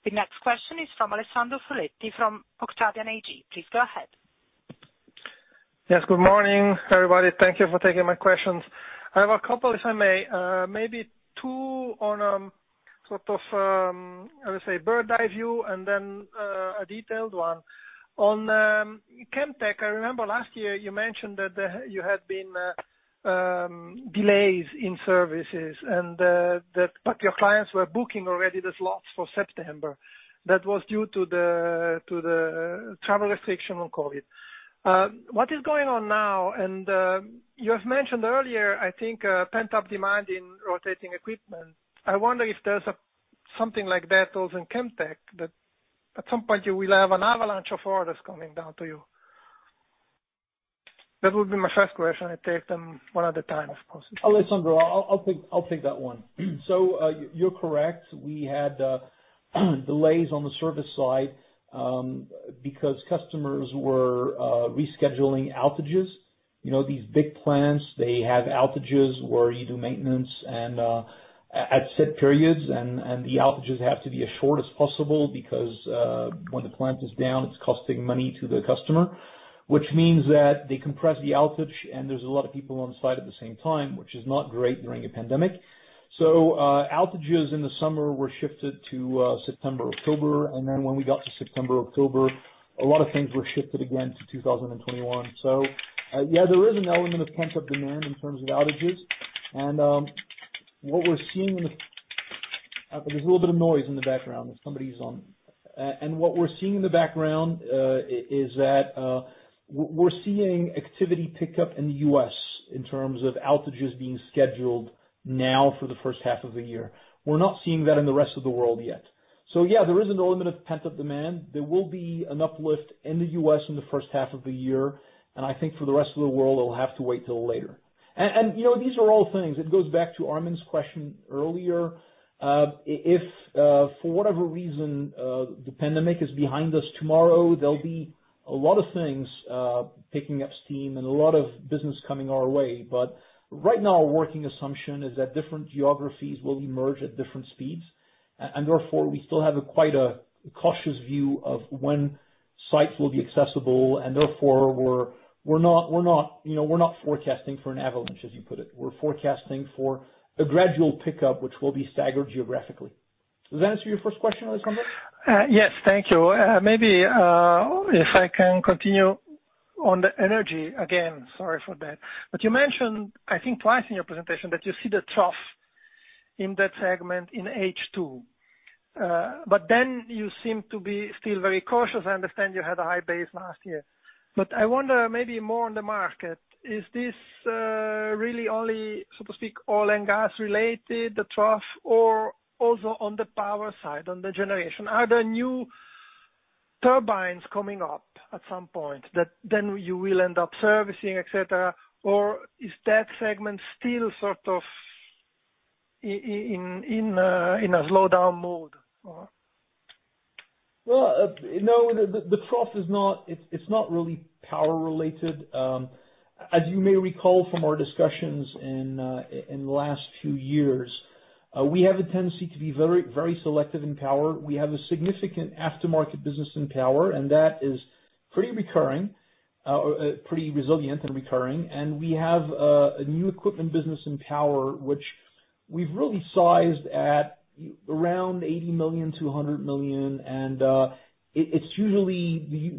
The next question is from Alessandro Foletti from Octavian AG. Please go ahead. Yes. Good morning, everybody. Thank you for taking my questions. I have a couple, if I may, maybe two on, sort of, let's say, bird's-eye view and then a detailed one. On Chemtech, I remember last year you mentioned that there had been delays in services, but your clients were booking already the slots for September. That was due to the travel restriction on COVID. What is going on now? You have mentioned earlier, I think, pent-up demand in rotating equipment. I wonder if there's something like that also in Chemtech, that at some point you will have an avalanche of orders coming down to you. That would be my first question. I take them one at a time, of course. Alessandro, I'll take that one. You're correct. We had delays on the service side because customers were rescheduling outages. These big plants, they have outages where you do maintenance at set periods, and the outages have to be as short as possible because, when the plant is down, it's costing money to the customer, which means that they compress the outage, and there's a lot of people on site at the same time, which is not great during a pandemic. Outages in the summer were shifted to September, October, and then when we got to September, October, a lot of things were shifted again to 2021. Yeah, there is an element of pent-up demand in terms of outages. What we're seeing in the There's a little bit of noise in the background. Somebody's on. What we're seeing in the background is that we're seeing activity pick up in the U.S. in terms of outages being scheduled now for the first half of the year. We're not seeing that in the rest of the world yet. Yeah, there is an element of pent-up demand. There will be an uplift in the U.S. in the first half of the year, and I think for the rest of the world, it'll have to wait till later. These are all things. It goes back to Armin's question earlier. If for whatever reason, the pandemic is behind us tomorrow, there'll be a lot of things picking up steam and a lot of business coming our way. Right now, our working assumption is that different geographies will emerge at different speeds, and therefore, we still have quite a cautious view of when sites will be accessible, and therefore, we're not forecasting for an avalanche, as you put it. We're forecasting for a gradual pickup, which will be staggered geographically. Does that answer your first question, Alessandro? Thank you. Maybe if I can continue on the energy again. Sorry for that. You mentioned, I think twice in your presentation that you see the trough in that segment in H2. You seem to be still very cautious. I understand you had a high base last year. I wonder maybe more on the market, is this really only, so to speak, oil and gas-related, the trough, or also on the power side, on the generation? Are there new turbines coming up at some point that then you will end up servicing, et cetera? Is that segment still sort of in a slowdown mode? Well, no, the trough is not really power-related. As you may recall from our discussions in the last few years, we have a tendency to be very selective in power. We have a significant aftermarket business in power, and that is pretty resilient and recurring. We have a new equipment business in power, which we've really sized at around 80 million to 100 million. The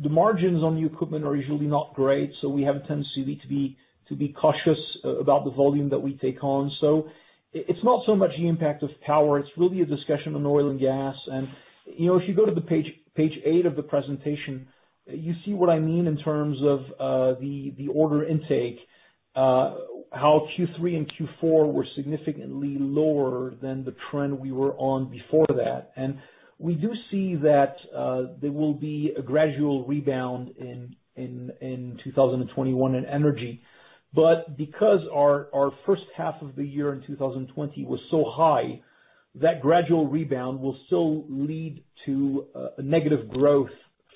margins on the equipment are usually not great, so we have a tendency to be cautious about the volume that we take on. It's not so much the impact of power, it's really a discussion on oil and gas. If you go to page eight of the presentation, you see what I mean in terms of the order intake, how Q3 and Q4 were significantly lower than the trend we were on before that. We do see that there will be a gradual rebound in 2021 in energy. Because our first half of the year in 2020 was so high, that gradual rebound will still lead to a negative growth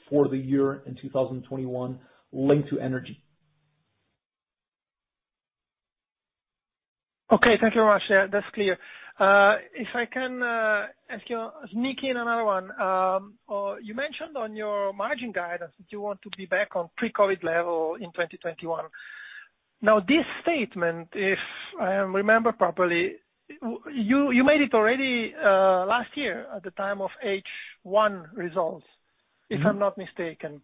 for the year in 2021 linked to energy. Okay. Thank you very much. That's clear. If I can ask you, sneak in another one. You mentioned on your margin guidance that you want to be back on pre-COVID-19 level in 2021. This statement, if I remember properly, you made it already last year at the time of H1 results, if I'm not mistaken.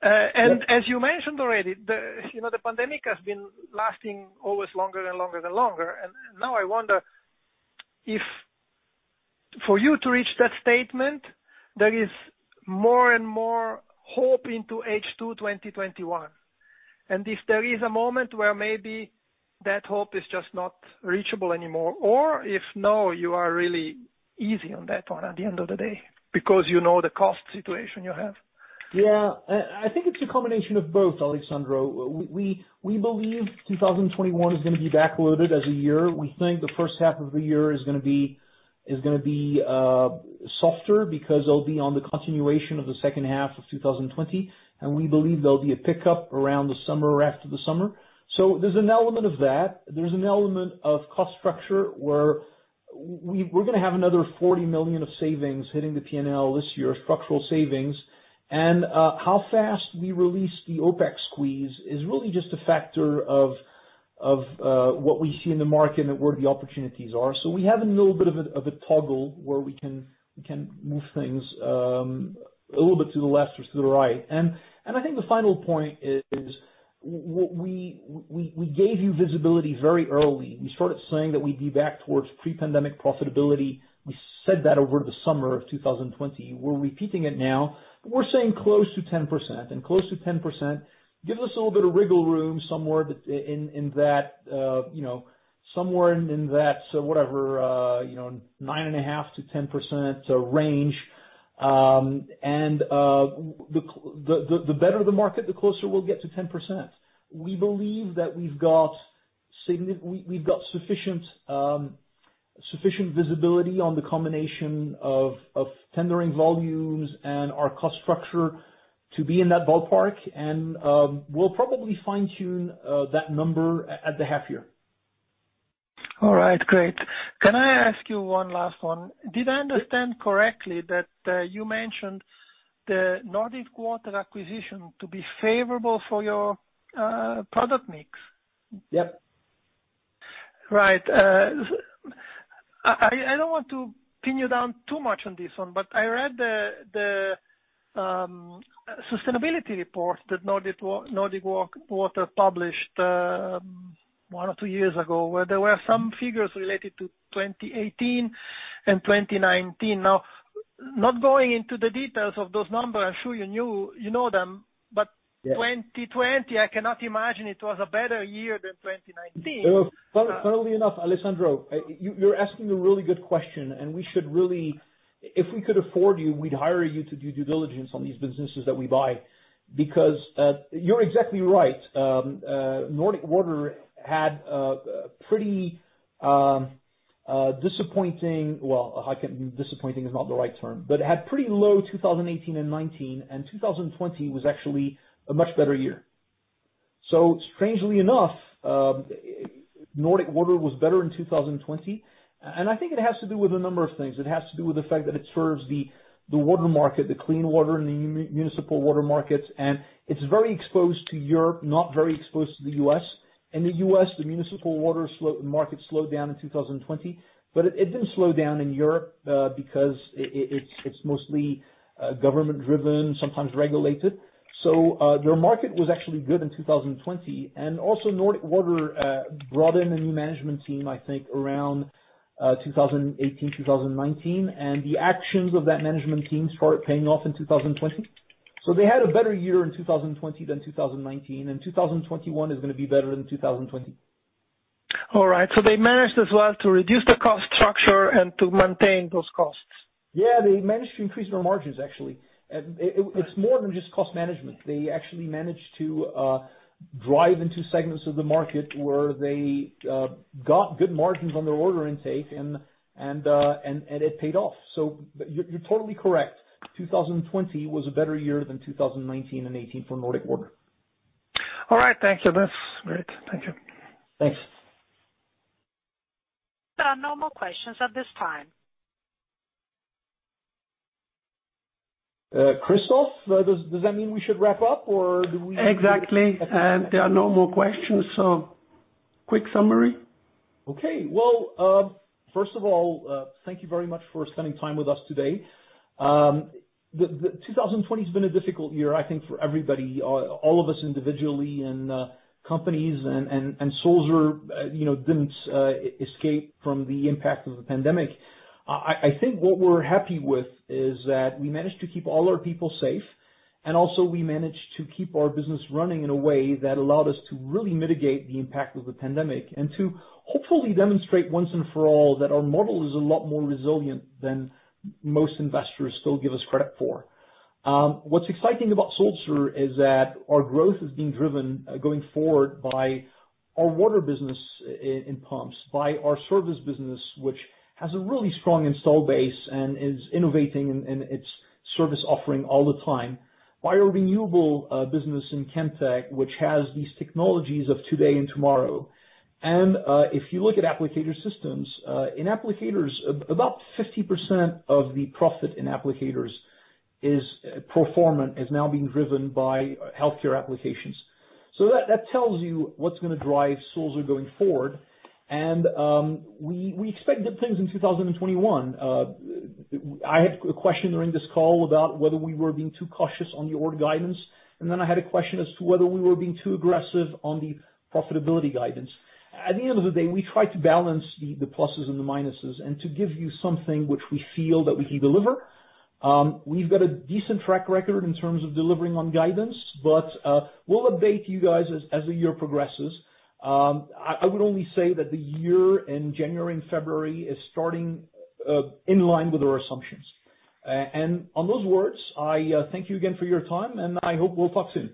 As you mentioned already, the pandemic has been lasting always longer and longer and longer, and now I wonder if for you to reach that statement, there is more and more hope into H2 2021, and if there is a moment where maybe that hope is just not reachable anymore, or if no, you are really easy on that one at the end of the day because you know the cost situation you have. Yeah, I think it's a combination of both, Alessandro. We believe 2021 is going to be back-loaded as a year. We think the first half of the year is going to be softer because it'll be on the continuation of the second half of 2020, and we believe there'll be a pickup around the summer or after the summer. There's an element of that. There's an element of cost structure, where we're going to have another 40 million of savings hitting the P&L this year, structural savings. How fast we release the OpEx squeeze is really just a factor of what we see in the market and where the opportunities are. We have a little bit of a toggle where we can move things a little bit to the left or to the right. I think the final point is, we gave you visibility very early. We started saying that we'd be back towards pre-pandemic profitability. We said that over the summer of 2020. We're repeating it now, but we're saying close to 10%. Close to 10% gives us a little bit of wiggle room somewhere in that, whatever, 9.5%-10% range. The better the market, the closer we'll get to 10%. We believe that we've got sufficient visibility on the combination of tendering volumes and our cost structure to be in that ballpark. We'll probably fine-tune that number at the half year. All right. Great. Can I ask you one last one? Yeah. Did I understand correctly that you mentioned the Nordic Water acquisition to be favorable for your product mix? Yep. Right. I don't want to pin you down too much on this one, but I read the sustainability report that Nordic Water published one or two years ago, where there were some figures related to 2018 and 2019. Not going into the details of those numbers, I'm sure you know them. Yeah. 2020, I cannot imagine it was a better year than 2019. Funnily enough, Alessandro, you're asking a really good question. We should really, if we could afford you, we'd hire you to do due diligence on these businesses that we buy. You're exactly right. Nordic Water had a pretty disappointing. Well, disappointing is not the right term. It had pretty low 2018 and 2019. 2020 was actually a much better year. Strangely enough, Nordic Water was better in 2020. I think it has to do with a number of things. It has to do with the fact that it serves the water market, the clean water, the municipal water markets. It's very exposed to Europe, not very exposed to the U.S. In the U.S., the municipal water market slowed down in 2020. It didn't slow down in Europe because it's mostly government-driven, sometimes regulated. Their market was actually good in 2020. Also, Nordic Water brought in a new management team, I think, around 2018, 2019. The actions of that management team started paying off in 2020. They had a better year in 2020 than 2019, and 2021 is going to be better than 2020. All right. They managed as well to reduce the cost structure and to maintain those costs? Yeah, they managed to increase their margins, actually. It's more than just cost management. They actually managed to drive into segments of the market where they got good margins on their order intake, and it paid off. You're totally correct, 2020 was a better year than 2019 and 2018 for Nordic Water. All right. Thank you. That's great. Thank you. Thanks. There are no more questions at this time. Christoph, does that mean we should wrap up? Exactly. There are no more questions, quick summary. Okay. Well, first of all, thank you very much for spending time with us today. 2020 has been a difficult year, I think, for everybody. All of us individually and companies and Sulzer didn't escape from the impact of the pandemic. I think what we're happy with is that we managed to keep all our people safe, and also we managed to keep our business running in a way that allowed us to really mitigate the impact of the pandemic and to hopefully demonstrate once and for all that our model is a lot more resilient than most investors still give us credit for. What's exciting about Sulzer is that our growth is being driven going forward by our water business in pumps, by our service business, which has a really strong install base and is innovating in its service offering all the time. By our renewable business in Chemtech, which has these technologies of today and tomorrow. If you look at Applicator Systems, in Applicators, about 50% of the profit in Applicators is pro forma is now being driven by healthcare applications. That tells you what's going to drive Sulzer going forward. We expect good things in 2021. I had a question during this call about whether we were being too cautious on the order guidance, and then I had a question as to whether we were being too aggressive on the profitability guidance. At the end of the day, we try to balance the pluses and the minuses and to give you something which we feel that we can deliver. We've got a decent track record in terms of delivering on guidance. We'll update you guys as the year progresses. I would only say that the year in January and February is starting in line with our assumptions. On those words, I thank you again for your time, and I hope we'll talk soon.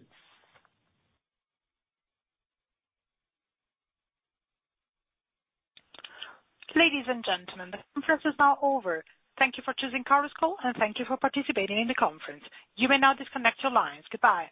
Ladies and gentlemen, the conference is now over. Thank you for choosing Chorus Call, and thank you for participating in the conference. You may now disconnect your lines. Goodbye.